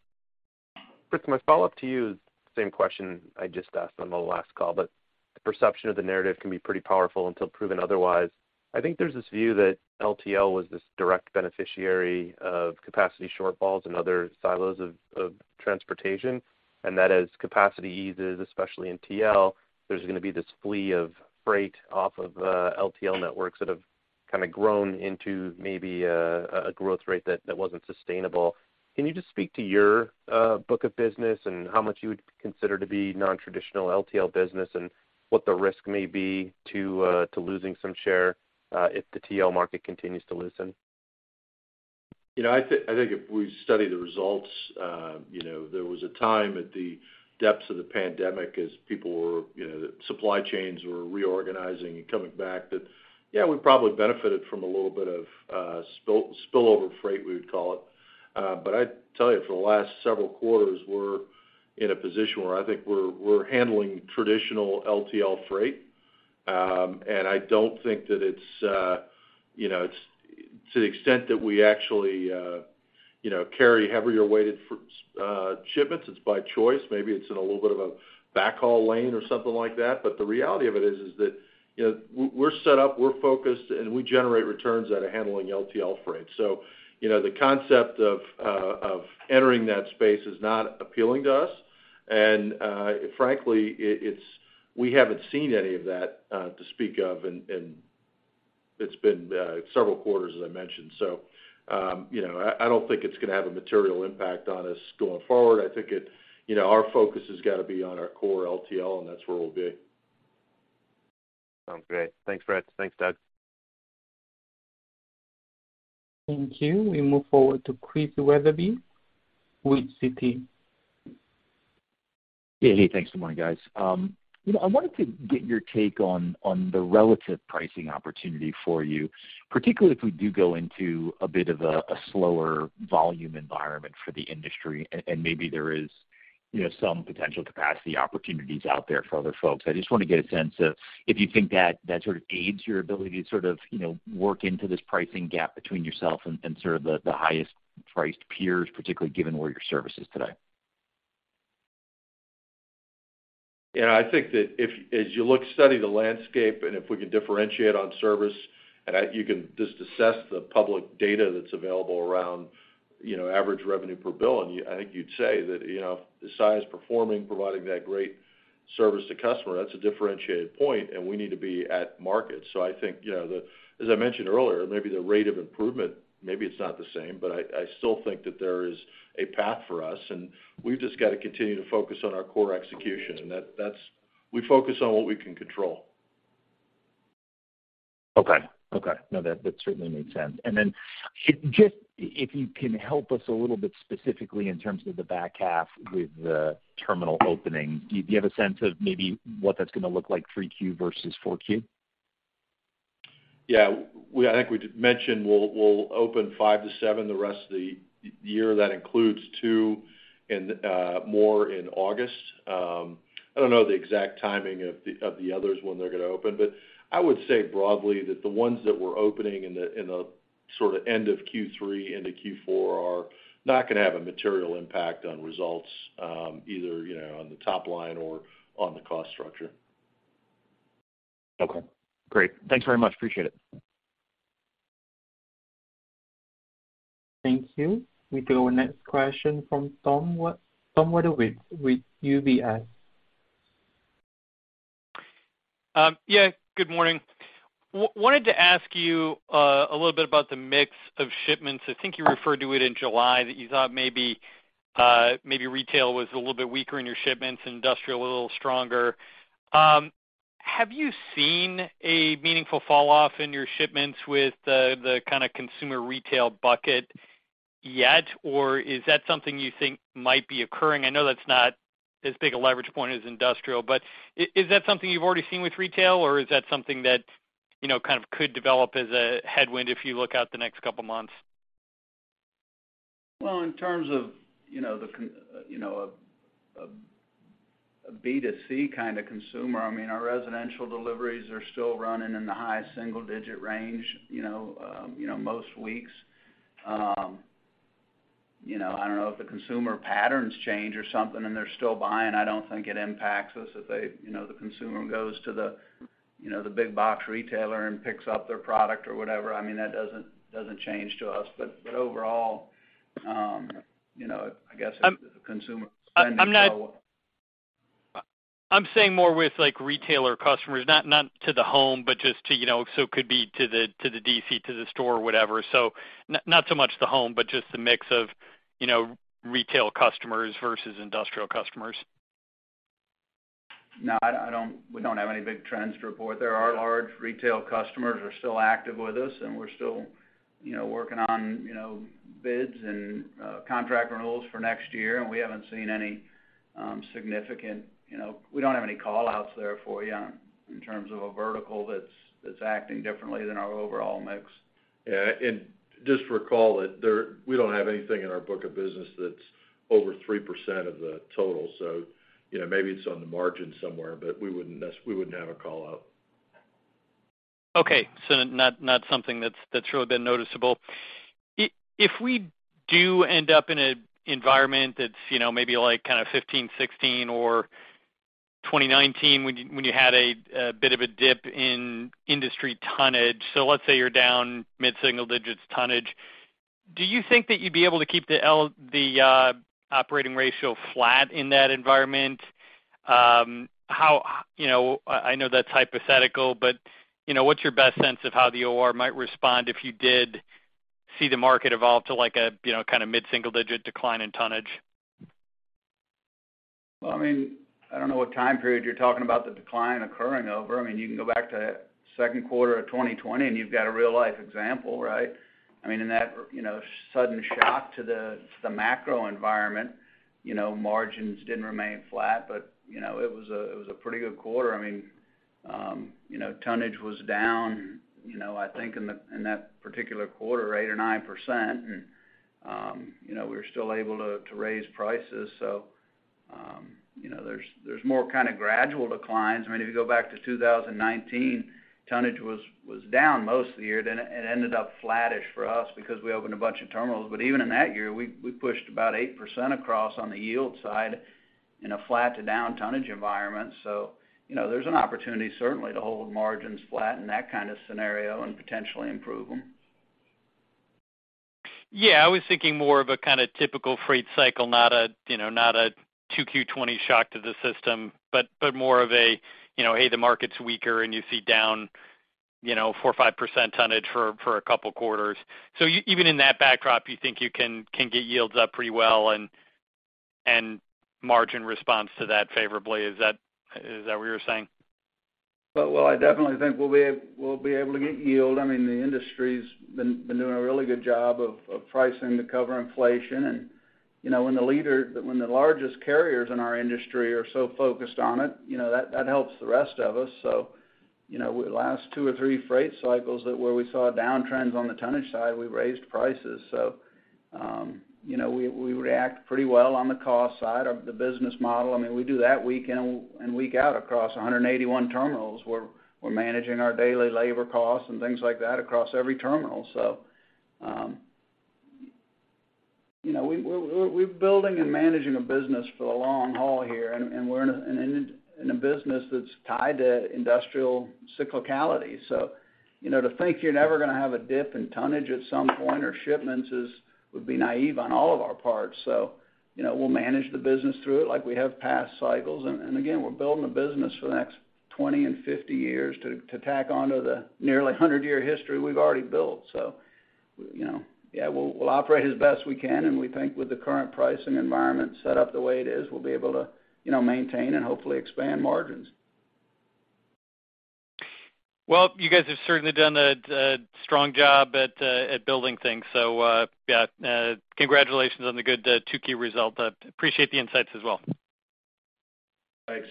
Speaker 10: Fritz, my follow-up to you is the same question I just asked on the last call, but the perception of the narrative can be pretty powerful until proven otherwise. I think there's this view that LTL was this direct beneficiary of capacity shortfalls and other silos of transportation, and that as capacity eases, especially in TL, there's gonna be this flee of freight off of LTL networks that have kind of grown into maybe a growth rate that wasn't sustainable. Can you just speak to your book of business and how much you would consider to be non-traditional LTL business and what the risk may be to losing some share if the TL market continues to loosen?
Speaker 3: You know, I think if we study the results, you know, there was a time at the depths of the pandemic as people were, you know, supply chains were reorganizing and coming back that, yeah, we probably benefited from a little bit of spillover freight, we would call it. I tell you, for the last several quarters, we're in a position where I think we're handling traditional LTL freight. I don't think that it's to the extent that we actually carry heavier weighted shipments. It's by choice. Maybe it's in a little bit of a backhaul lane or something like that. The reality of it is that, you know, we're set up, we're focused, and we generate returns out of handling LTL freight. You know, the concept of entering that space is not appealing to us. Frankly, we haven't seen any of that to speak of, and it's been several quarters, as I mentioned. You know, I don't think it's gonna have a material impact on us going forward. I think, you know, our focus has got to be on our core LTL, and that's where we'll be.
Speaker 10: Sounds great. Thanks, Fritz. Thanks, Doug.
Speaker 1: Thank you. We move forward to Chris Wetherbee with Citi.
Speaker 11: Yeah. Hey, thanks. Good morning, guys. You know, I wanted to get your take on the relative pricing opportunity for you, particularly if we do go into a bit of a slower volume environment for the industry, and maybe there is, you know, some potential capacity opportunities out there for other folks. I just want to get a sense of if you think that sort of aids your ability to sort of, you know, work into this pricing gap between yourself and sort of the highest priced peers, particularly given where your service is today.
Speaker 3: Yeah, I think that if, as you look, study the landscape, and if we can differentiate on service, you can just assess the public data that's available around, you know, average revenue per bill. I think you'd say that, you know, Saia performing, providing that great service to customer, that's a differentiated point, and we need to be at market. I think, you know, as I mentioned earlier, maybe the rate of improvement, maybe it's not the same, but I still think that there is a path for us, and we've just got to continue to focus on our core execution. That we focus on what we can control.
Speaker 11: Okay. No, that certainly makes sense. Just if you can help us a little bit specifically in terms of the back half with the terminal opening. Do you have a sense of maybe what that's gonna look like 3Q versus 4Q?
Speaker 3: Yeah. I think we mentioned we'll open five to seven the rest of the year. That includes two more in August. I don't know the exact timing of the others when they're gonna open, but I would say broadly that the ones that we're opening in the sort of end of Q3 into Q4 are not gonna have a material impact on results, either, you know, on the top line or on the cost structure.
Speaker 11: Okay. Great. Thanks very much. Appreciate it.
Speaker 1: Thank you. We go next question from Tom Wadewitz with UBS.
Speaker 12: Yeah, good morning. Wanted to ask you a little bit about the mix of shipments. I think you referred to it in July that you thought maybe retail was a little bit weaker in your shipments, industrial a little stronger. Have you seen a meaningful fall off in your shipments with the kind of consumer retail bucket yet, or is that something you think might be occurring? I know that's not as big a leverage point as industrial, but is that something you've already seen with retail, or is that something that, you know, kind of could develop as a headwind if you look out the next couple of months?
Speaker 2: Well, in terms of, you know, a B2C kind of consumer, I mean, our residential deliveries are still running in the high single digit range, you know, most weeks. You know, I don't know if the consumer patterns change or something and they're still buying. I don't think it impacts us if they, you know, the consumer goes to the, you know, the big box retailer and picks up their product or whatever. I mean, that doesn't change to us. Overall, you know, I guess the consumer spending flow.
Speaker 12: I'm saying more with, like, retail customers, not to the home, but just to, you know, so it could be to the DC, to the store or whatever. Not so much the home, but just the mix of, you know, retail customers versus industrial customers.
Speaker 2: No, I don't. We don't have any big trends to report. There are large retail customers are still active with us, and we're still, you know, working on, you know, bids and, contract renewals for next year. We haven't seen any, significant, you know, we don't have any call-outs there for you in terms of a vertical that's acting differently than our overall mix.
Speaker 3: Yeah. Just recall that we don't have anything in our book of business that's over 3% of the total. So, you know, maybe it's on the margin somewhere, but we wouldn't have a call out.
Speaker 12: Okay. Not something that's really been noticeable. If we do end up in an environment that's you know, maybe like kind of 2015, 2016 or 2019 when you had a bit of a dip in industry tonnage. Let's say you're down mid-single digits tonnage. Do you think that you'd be able to keep the operating ratio flat in that environment? You know, I know that's hypothetical, but you know, what's your best sense of how the OR might respond if you did see the market evolve to like a you know, kind of mid-single digit decline in tonnage?
Speaker 3: Well, I mean, I don't know what time period you're talking about the decline occurring over. I mean, you can go back to second quarter of 2020, and you've got a real life example, right? I mean, in that, you know, sudden shock to the macro environment, you know, margins didn't remain flat, but, you know, it was a pretty good quarter. I mean, you know, tonnage was down, you know, I think in that particular quarter, 8% or 9%. You know, we were still able to raise prices. You know, there's more kind of gradual declines. I mean, if you go back to 2019, tonnage was down most of the year. It ended up flattish for us because we opened a bunch of terminals. Even in that year, we pushed about 8% across on the yield side in a flat to down tonnage environment. You know, there's an opportunity certainly to hold margins flat in that kind of scenario and potentially improve them.
Speaker 12: Yeah, I was thinking more of a kind of typical freight cycle, not a, you know, not a 2Q 2020 shock to the system, but more of a, you know, hey, the market's weaker and you see down, you know, 4% or 5% tonnage for a couple quarters. Even in that backdrop, you think you can get yields up pretty well and margin response to that favorably. Is that what you're saying?
Speaker 3: Well, I definitely think we'll be able to get yield. I mean, the industry's been doing a really good job of pricing to cover inflation. You know, when the largest carriers in our industry are so focused on it, you know, that helps the rest of us. You know, with the last two or three freight cycles that where we saw downtrends on the tonnage side, we raised prices. You know, we react pretty well on the cost side of the business model. I mean, we do that week in and week out across 181 terminals. We're managing our daily labor costs and things like that across every terminal. You know, we're building and managing a business for the long haul here, and we're in a business that's tied to industrial cyclicality. You know, to think you're never gonna have a dip in tonnage at some point or shipments would be naive on all of our parts. You know, we'll manage the business through it like we have past cycles. Again, we're building a business for the next 20 and 50 years to tack onto the nearly 100-year history we've already built. You know, yeah, we'll operate as best we can, and we think with the current pricing environment set up the way it is, we'll be able to, you know, maintain and hopefully expand margins.
Speaker 12: Well, you guys have certainly done a strong job at building things. Yeah, congratulations on the good Q2 results. Appreciate the insights as well.
Speaker 3: Thanks.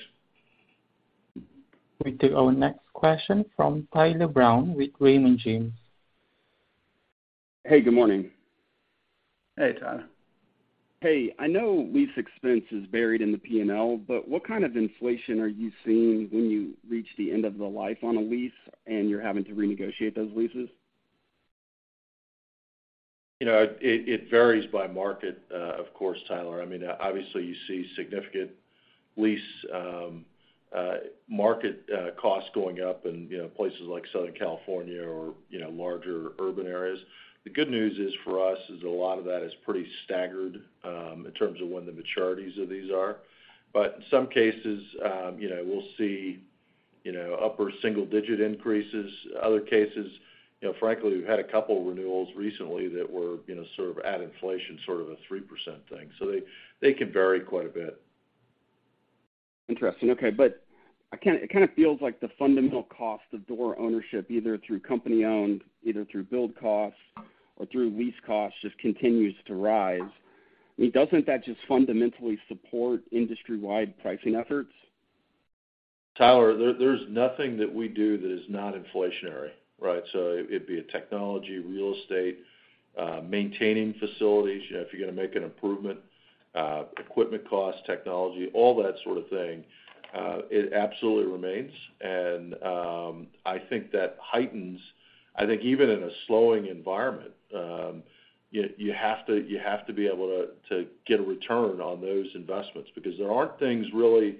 Speaker 1: We take our next question from Tyler Brown with Raymond James.
Speaker 13: Hey, good morning.
Speaker 3: Hey, Tyler.
Speaker 13: Hey, I know lease expense is buried in the P&L, but what kind of inflation are you seeing when you reach the end of the life on a lease and you're having to renegotiate those leases?
Speaker 3: You know, it varies by market, of course, Tyler. I mean, obviously, you see significant lease market costs going up in, you know, places like Southern California or, you know, larger urban areas. The good news is for us is a lot of that is pretty staggered, in terms of when the maturities of these are. In some cases, you know, we'll see, you know, upper single digit increases. Other cases, you know, frankly, we've had a couple renewals recently that were, you know, sort of at inflation, sort of a 3% thing. They can vary quite a bit.
Speaker 13: Interesting. Okay. It kind of feels like the fundamental cost of door ownership, either through company-owned, either through build costs or through lease costs, just continues to rise. I mean, doesn't that just fundamentally support industry-wide pricing efforts?
Speaker 3: Tyler, there's nothing that we do that is not inflationary, right? It'd be a technology, real estate, maintaining facilities. You know, if you're gonna make an improvement, equipment costs, technology, all that sort of thing, it absolutely remains. I think that heightens. I think even in a slowing environment, you have to be able to get a return on those investments because there aren't things really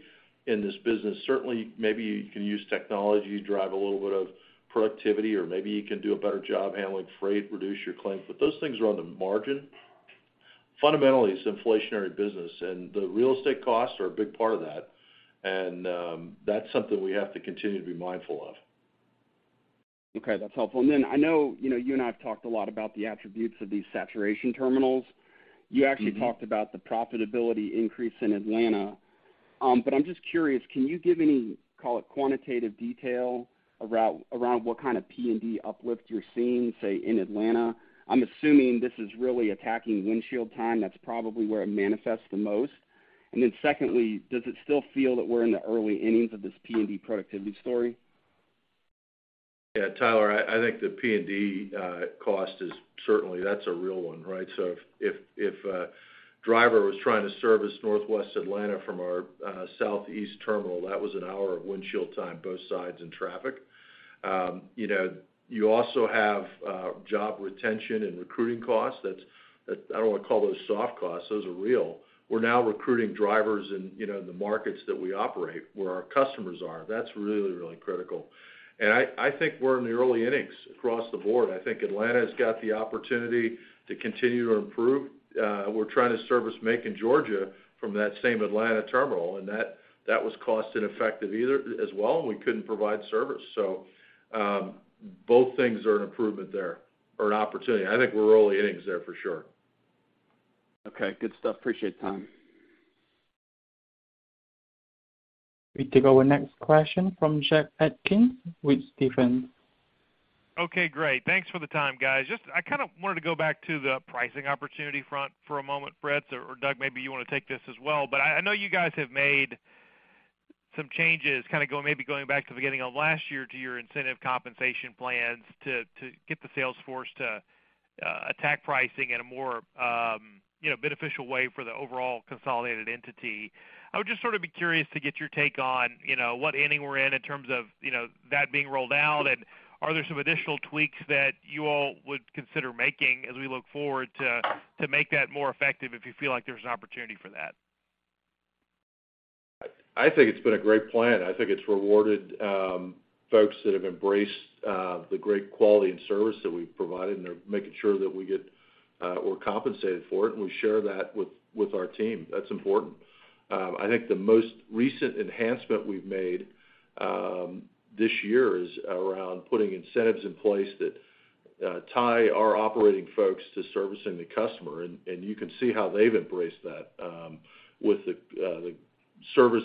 Speaker 3: in this business. Certainly, maybe you can use technology to drive a little bit of productivity, or maybe you can do a better job handling freight, reduce your claims, but those things are on the margin. Fundamentally, it's inflationary business, and the real estate costs are a big part of that. That's something we have to continue to be mindful of.
Speaker 13: Okay, that's helpful. I know, you know, you and I have talked a lot about the attributes of these saturation terminals.
Speaker 3: Mm-hmm.
Speaker 13: You actually talked about the profitability increase in Atlanta. I'm just curious, can you give any, call it quantitative detail around what kind of P&D uplift you're seeing, say, in Atlanta? I'm assuming this is really attacking windshield time. That's probably where it manifests the most. Then secondly, does it still feel that we're in the early innings of this P&D productivity story?
Speaker 3: Yeah, Tyler, I think the P&D cost is certainly that's a real one, right? If a driver was trying to service Northwest Atlanta from our southeast terminal, that was an hour of windshield time, both sides in traffic. You know, you also have job retention and recruiting costs. That's. I don't wanna call those soft costs, those are real. We're now recruiting drivers in the markets that we operate, where our customers are. That's really, really critical. I think we're in the early innings across the board. I think Atlanta has got the opportunity to continue to improve. We're trying to service Macon, Georgia from that same Atlanta terminal, and that was cost ineffective either as well, and we couldn't provide service. Both things are an improvement there or an opportunity. I think we're early innings there for sure.
Speaker 13: Okay, good stuff. Appreciate the time.
Speaker 1: We take our next question from Jack Atkins with Stephens.
Speaker 14: Okay, great. Thanks for the time, guys. Just, I kind of wanted to go back to the pricing opportunity front for a moment, Fritz, or Doug, maybe you wanna take this as well. But I know you guys have made some changes, kind of maybe going back to the beginning of last year to your incentive compensation plans to get the sales force to attack pricing in a more, you know, beneficial way for the overall consolidated entity. I would just sort of be curious to get your take on, you know, what inning we're in terms of, you know, that being rolled out. Are there some additional tweaks that you all would consider making as we look forward to make that more effective if you feel like there's an opportunity for that?
Speaker 3: I think it's been a great plan. I think it's rewarded folks that have embraced the great quality and service that we've provided, and they're making sure that we're compensated for it, and we share that with our team. That's important. I think the most recent enhancement we've made this year is around putting incentives in place that tie our operating folks to servicing the customer. You can see how they've embraced that with the service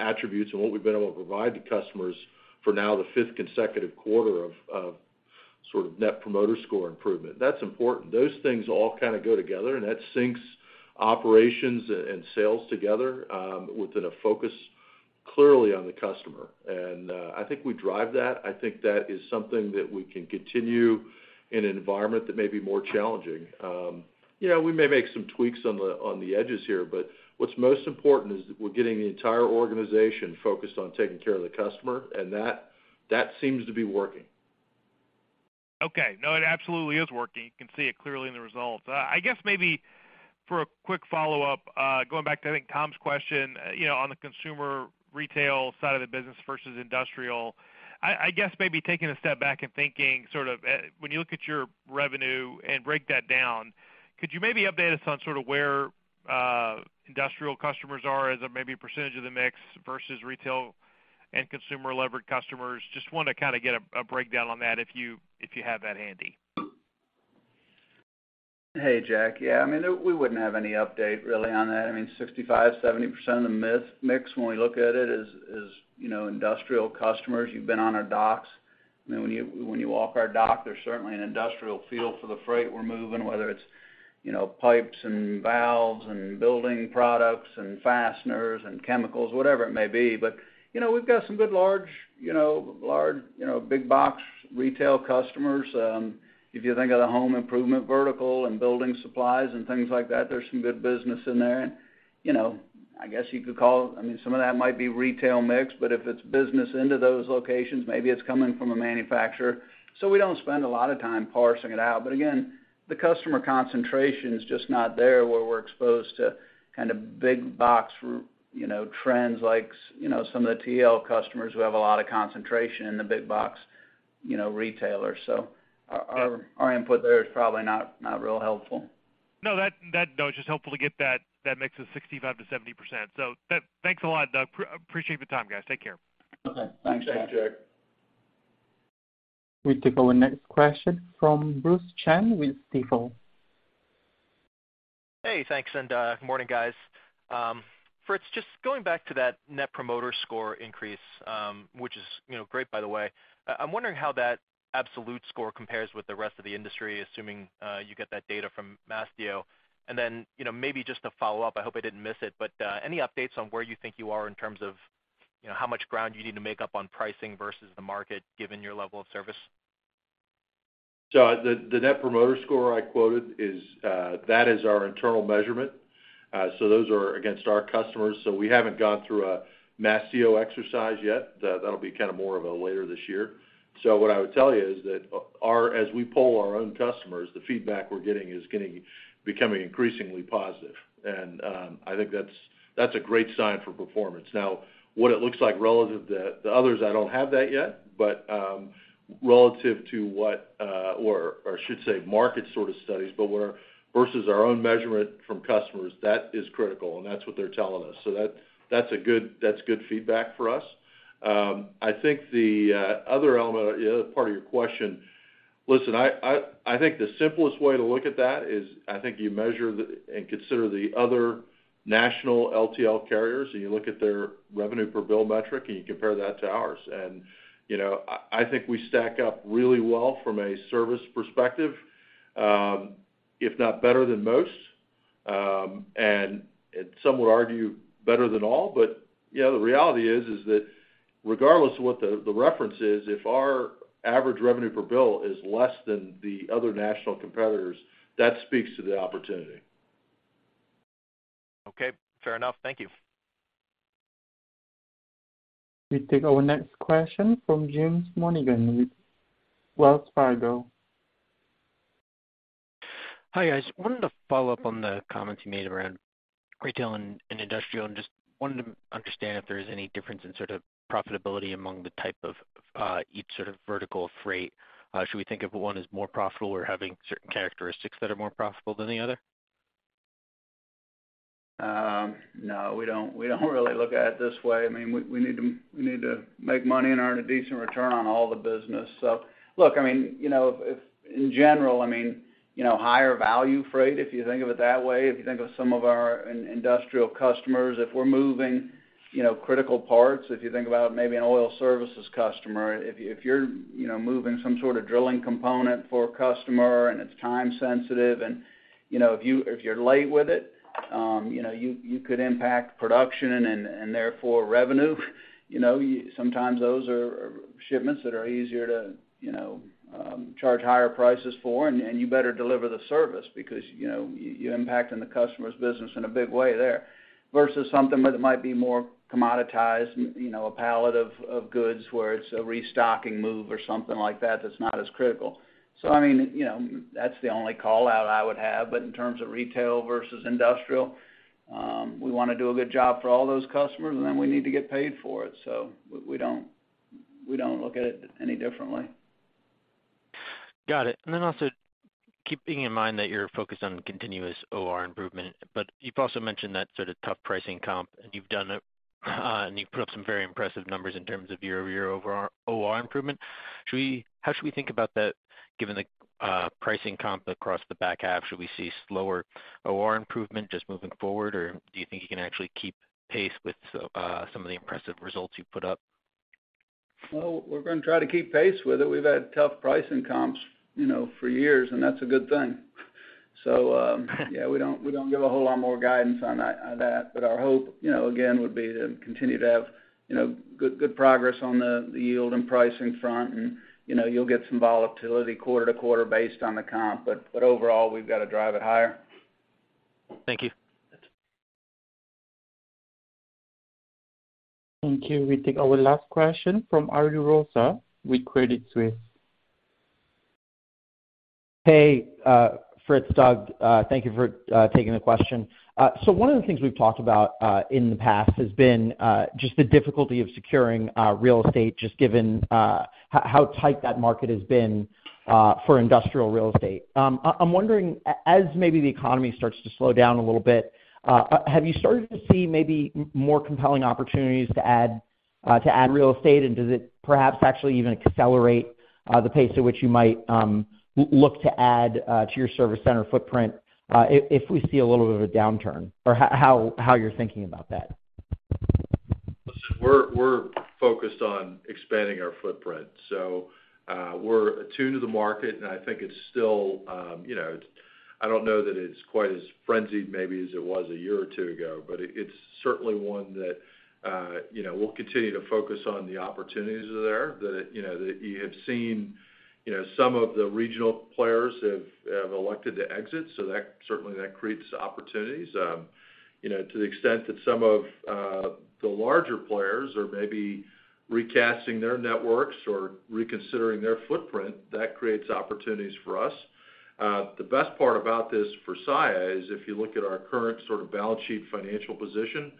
Speaker 3: attributes and what we've been able to provide to customers for now the fifth consecutive quarter of sort of Net Promoter Score improvement. That's important. Those things all kind of go together, and that syncs operations and sales together within a focus clearly on the customer. I think we drive that. I think that is something that we can continue in an environment that may be more challenging. You know, we may make some tweaks on the, on the edges here, but what's most important is we're getting the entire organization focused on taking care of the customer, and that seems to be working.
Speaker 14: Okay. No, it absolutely is working. You can see it clearly in the results. I guess maybe for a quick follow-up, going back to, I think, Tom's question, you know, on the consumer retail side of the business versus industrial. I guess maybe taking a step back and thinking sort of, when you look at your revenue and break that down, could you maybe update us on sort of where industrial customers are as a maybe percentage of the mix versus retail and consumer-levered customers? Just wanna kind of get a breakdown on that if you have that handy.
Speaker 2: Hey, Jack. Yeah, I mean, we wouldn't have any update really on that. I mean, 65%-70% of the mix when we look at it is, you know, industrial customers. You've been on our docks. You know, when you walk our dock, there's certainly an industrial feel for the freight we're moving, whether it's, you know, pipes and valves and building products and fasteners and chemicals, whatever it may be. But, you know, we've got some good large, you know, big box retail customers. If you think of the home improvement vertical and building supplies and things like that, there's some good business in there. You know, I guess you could call it. I mean, some of that might be retail mix, but if it's business into those locations, maybe it's coming from a manufacturer. We don't spend a lot of time parsing it out. Again, the customer concentration is just not there, where we're exposed to kind of big box, you know, trends like you know, some of the TL customers who have a lot of concentration in the big box, you know, retailers. Our input there is probably not real helpful.
Speaker 14: No, it's just helpful to get that mix of 65%-70%. Thanks a lot, Doug. Appreciate the time, guys. Take care.
Speaker 2: Okay, thanks, Jack.
Speaker 3: Thanks, Jack.
Speaker 1: We take our next question from Bruce Chan with Stifel.
Speaker 15: Hey, thanks, and morning, guys. Fritz, just going back to that Net Promoter Score increase, which is, you know, great, by the way. I'm wondering how that absolute score compares with the rest of the industry, assuming you get that data from Mastio. You know, maybe just to follow up, I hope I didn't miss it, but any updates on where you think you are in terms of, you know, how much ground you need to make up on pricing versus the market, given your level of service?
Speaker 3: The Net Promoter Score I quoted is that is our internal measurement. Those are against our customers. We haven't gone through a Mastio exercise yet. That'll be kind of more of a later this year. What I would tell you is that as we poll our own customers, the feedback we're getting is becoming increasingly positive. I think that's a great sign for performance. Now, what it looks like relative to the others, I don't have that yet, but relative to what, or I should say market sort of studies, but we're versus our own measurement from customers, that is critical, and that's what they're telling us. That's good feedback for us. I think the other element, the other part of your question. Listen, I think the simplest way to look at that is, I think you measure and consider the other national LTL carriers, and you look at their revenue per bill metric, and you compare that to ours. You know, I think we stack up really well from a service perspective, if not better than most. Some would argue better than all. You know, the reality is that regardless of what the reference is, if our average revenue per bill is less than the other national competitors, that speaks to the opportunity.
Speaker 15: Okay. Fair enough. Thank you.
Speaker 1: We take our next question from James Monigan with Wells Fargo.
Speaker 16: Hi, guys. Wanted to follow up on the comments you made around retail and industrial, and just wanted to understand if there is any difference in sort of profitability among the type of each sort of vertical freight. Should we think of one as more profitable or having certain characteristics that are more profitable than the other?
Speaker 3: No, we don't really look at it this way. I mean, we need to make money and earn a decent return on all the business. Look, I mean, you know, if in general, I mean, you know, higher value freight, if you think of it that way, if you think of some of our industrial customers, if we're moving, you know, critical parts, if you think about maybe an oil services customer, if you're, you know, moving some sort of drilling component for a customer and it's time sensitive and, you know, if you're late with it, you know, you could impact production and therefore revenue, you know? Sometimes those are shipments that are easier to, you know, charge higher prices for, and you better deliver the service because, you know, you're impacting the customer's business in a big way there, versus something that might be more commoditized, you know, a pallet of goods where it's a restocking move or something like that that's not as critical. I mean, you know, that's the only call-out I would have. In terms of retail versus industrial, we wanna do a good job for all those customers, and then we need to get paid for it. We don't look at it any differently.
Speaker 16: Got it. Then also keeping in mind that you're focused on continuous OR improvement, but you've also mentioned that sort of tough pricing comp, and you've done it, and you've put up some very impressive numbers in terms of year-over-year OR improvement. How should we think about that, given the pricing comp across the back half? Should we see slower OR improvement just moving forward, or do you think you can actually keep pace with some of the impressive results you've put up?
Speaker 3: Well, we're gonna try to keep pace with it. We've had tough pricing comps, you know, for years, and that's a good thing. We don't give a whole lot more guidance on that. But our hope, you know, again, would be to continue to have, you know, good progress on the yield and pricing front. You'll get some volatility quarter to quarter based on the comp. But overall, we've got to drive it higher.
Speaker 16: Thank you. That's it.
Speaker 1: Thank you. We take our last question from Ari Rosa with Credit Suisse.
Speaker 17: Hey, Fritz, Doug. Thank you for taking the question. So one of the things we've talked about in the past has been just the difficulty of securing real estate, just given how tight that market has been for industrial real estate. I'm wondering as maybe the economy starts to slow down a little bit, have you started to see maybe more compelling opportunities to add real estate? And does it perhaps actually even accelerate the pace at which you might look to add to your service center footprint if we see a little bit of a downturn, or how you're thinking about that?
Speaker 3: Listen, we're focused on expanding our footprint. We're attuned to the market, and I think it's still, you know, I don't know that it's quite as frenzied maybe as it was a year or two ago, but it's certainly one that, you know, we'll continue to focus on the opportunities that are there. That, you know, that you have seen, you know, some of the regional players have elected to exit, so that certainly creates opportunities. You know, to the extent that some of the larger players are maybe recasting their networks or reconsidering their footprint, that creates opportunities for us. The best part about this for Saia is if you look at our current sort of balance sheet financial position,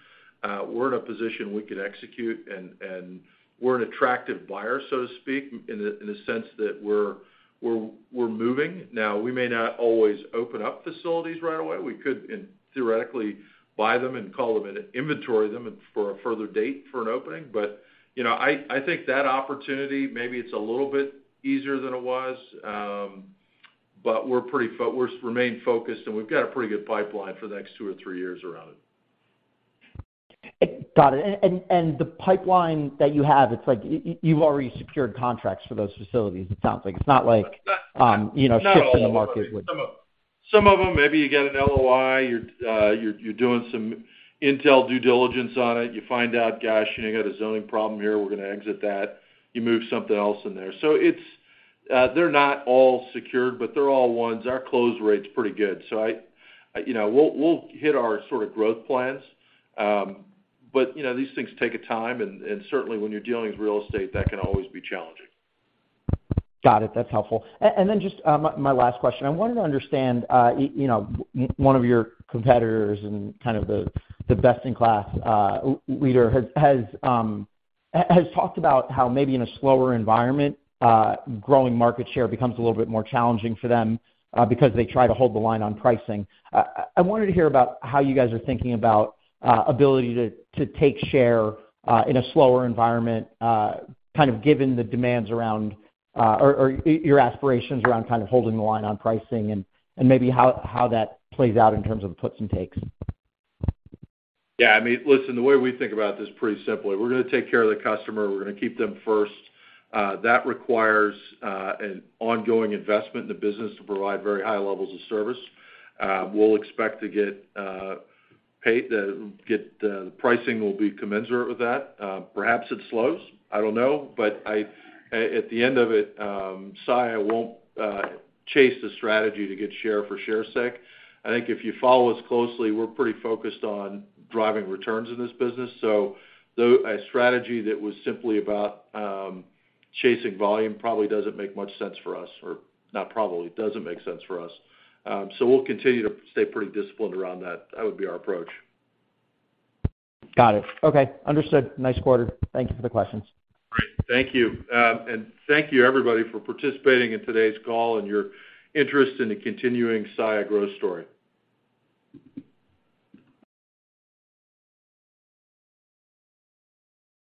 Speaker 3: we're in a position we can execute and we're an attractive buyer, so to speak, in the sense that we're moving. Now, we may not always open up facilities right away. We could theoretically buy them and call them and inventory them for a further date for an opening. You know, I think that opportunity, maybe it's a little bit easier than it was. We remain focused, and we've got a pretty good pipeline for the next two or three years around it.
Speaker 17: Got it. The pipeline that you have, it's like you've already secured contracts for those facilities, it sounds like. It's not like, you know, shifts in the market would-
Speaker 3: Some of them, maybe you get an LOI, you're doing some initial due diligence on it. You find out, gosh, you know, you got a zoning problem here, we're gonna exit that. You move something else in there. It's, they're not all secured, but they're all ones. Our close rate's pretty good. I, you know, we'll hit our sort of growth plans. You know, these things take time, and certainly when you're dealing with real estate, that can always be challenging.
Speaker 17: Got it. That's helpful. Just my last question. I wanted to understand, you know, one of your competitors and kind of the best-in-class leader has talked about how maybe in a slower environment, growing market share becomes a little bit more challenging for them, because they try to hold the line on pricing. I wanted to hear about how you guys are thinking about ability to take share in a slower environment, kind of given the demands around, or your aspirations around kind of holding the line on pricing and maybe how that plays out in terms of puts and takes.
Speaker 3: Yeah, I mean, listen, the way we think about this pretty simply, we're gonna take care of the customer, we're gonna keep them first. That requires an ongoing investment in the business to provide very high levels of service. We'll expect to get paid, the pricing will be commensurate with that. Perhaps it slows. I don't know. At the end of it, Saia won't chase the strategy to get share for share's sake. I think if you follow us closely, we're pretty focused on driving returns in this business. A strategy that was simply about chasing volume probably doesn't make much sense for us, it doesn't make sense for us. We'll continue to stay pretty disciplined around that. That would be our approach.
Speaker 17: Got it. Okay. Understood. Nice quarter. Thank you for the questions.
Speaker 3: Great. Thank you. Thank you, everybody, for participating in today's call and your interest in the continuing Saia growth story.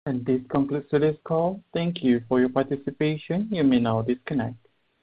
Speaker 1: This concludes today's call. Thank you for your participation. You may now disconnect.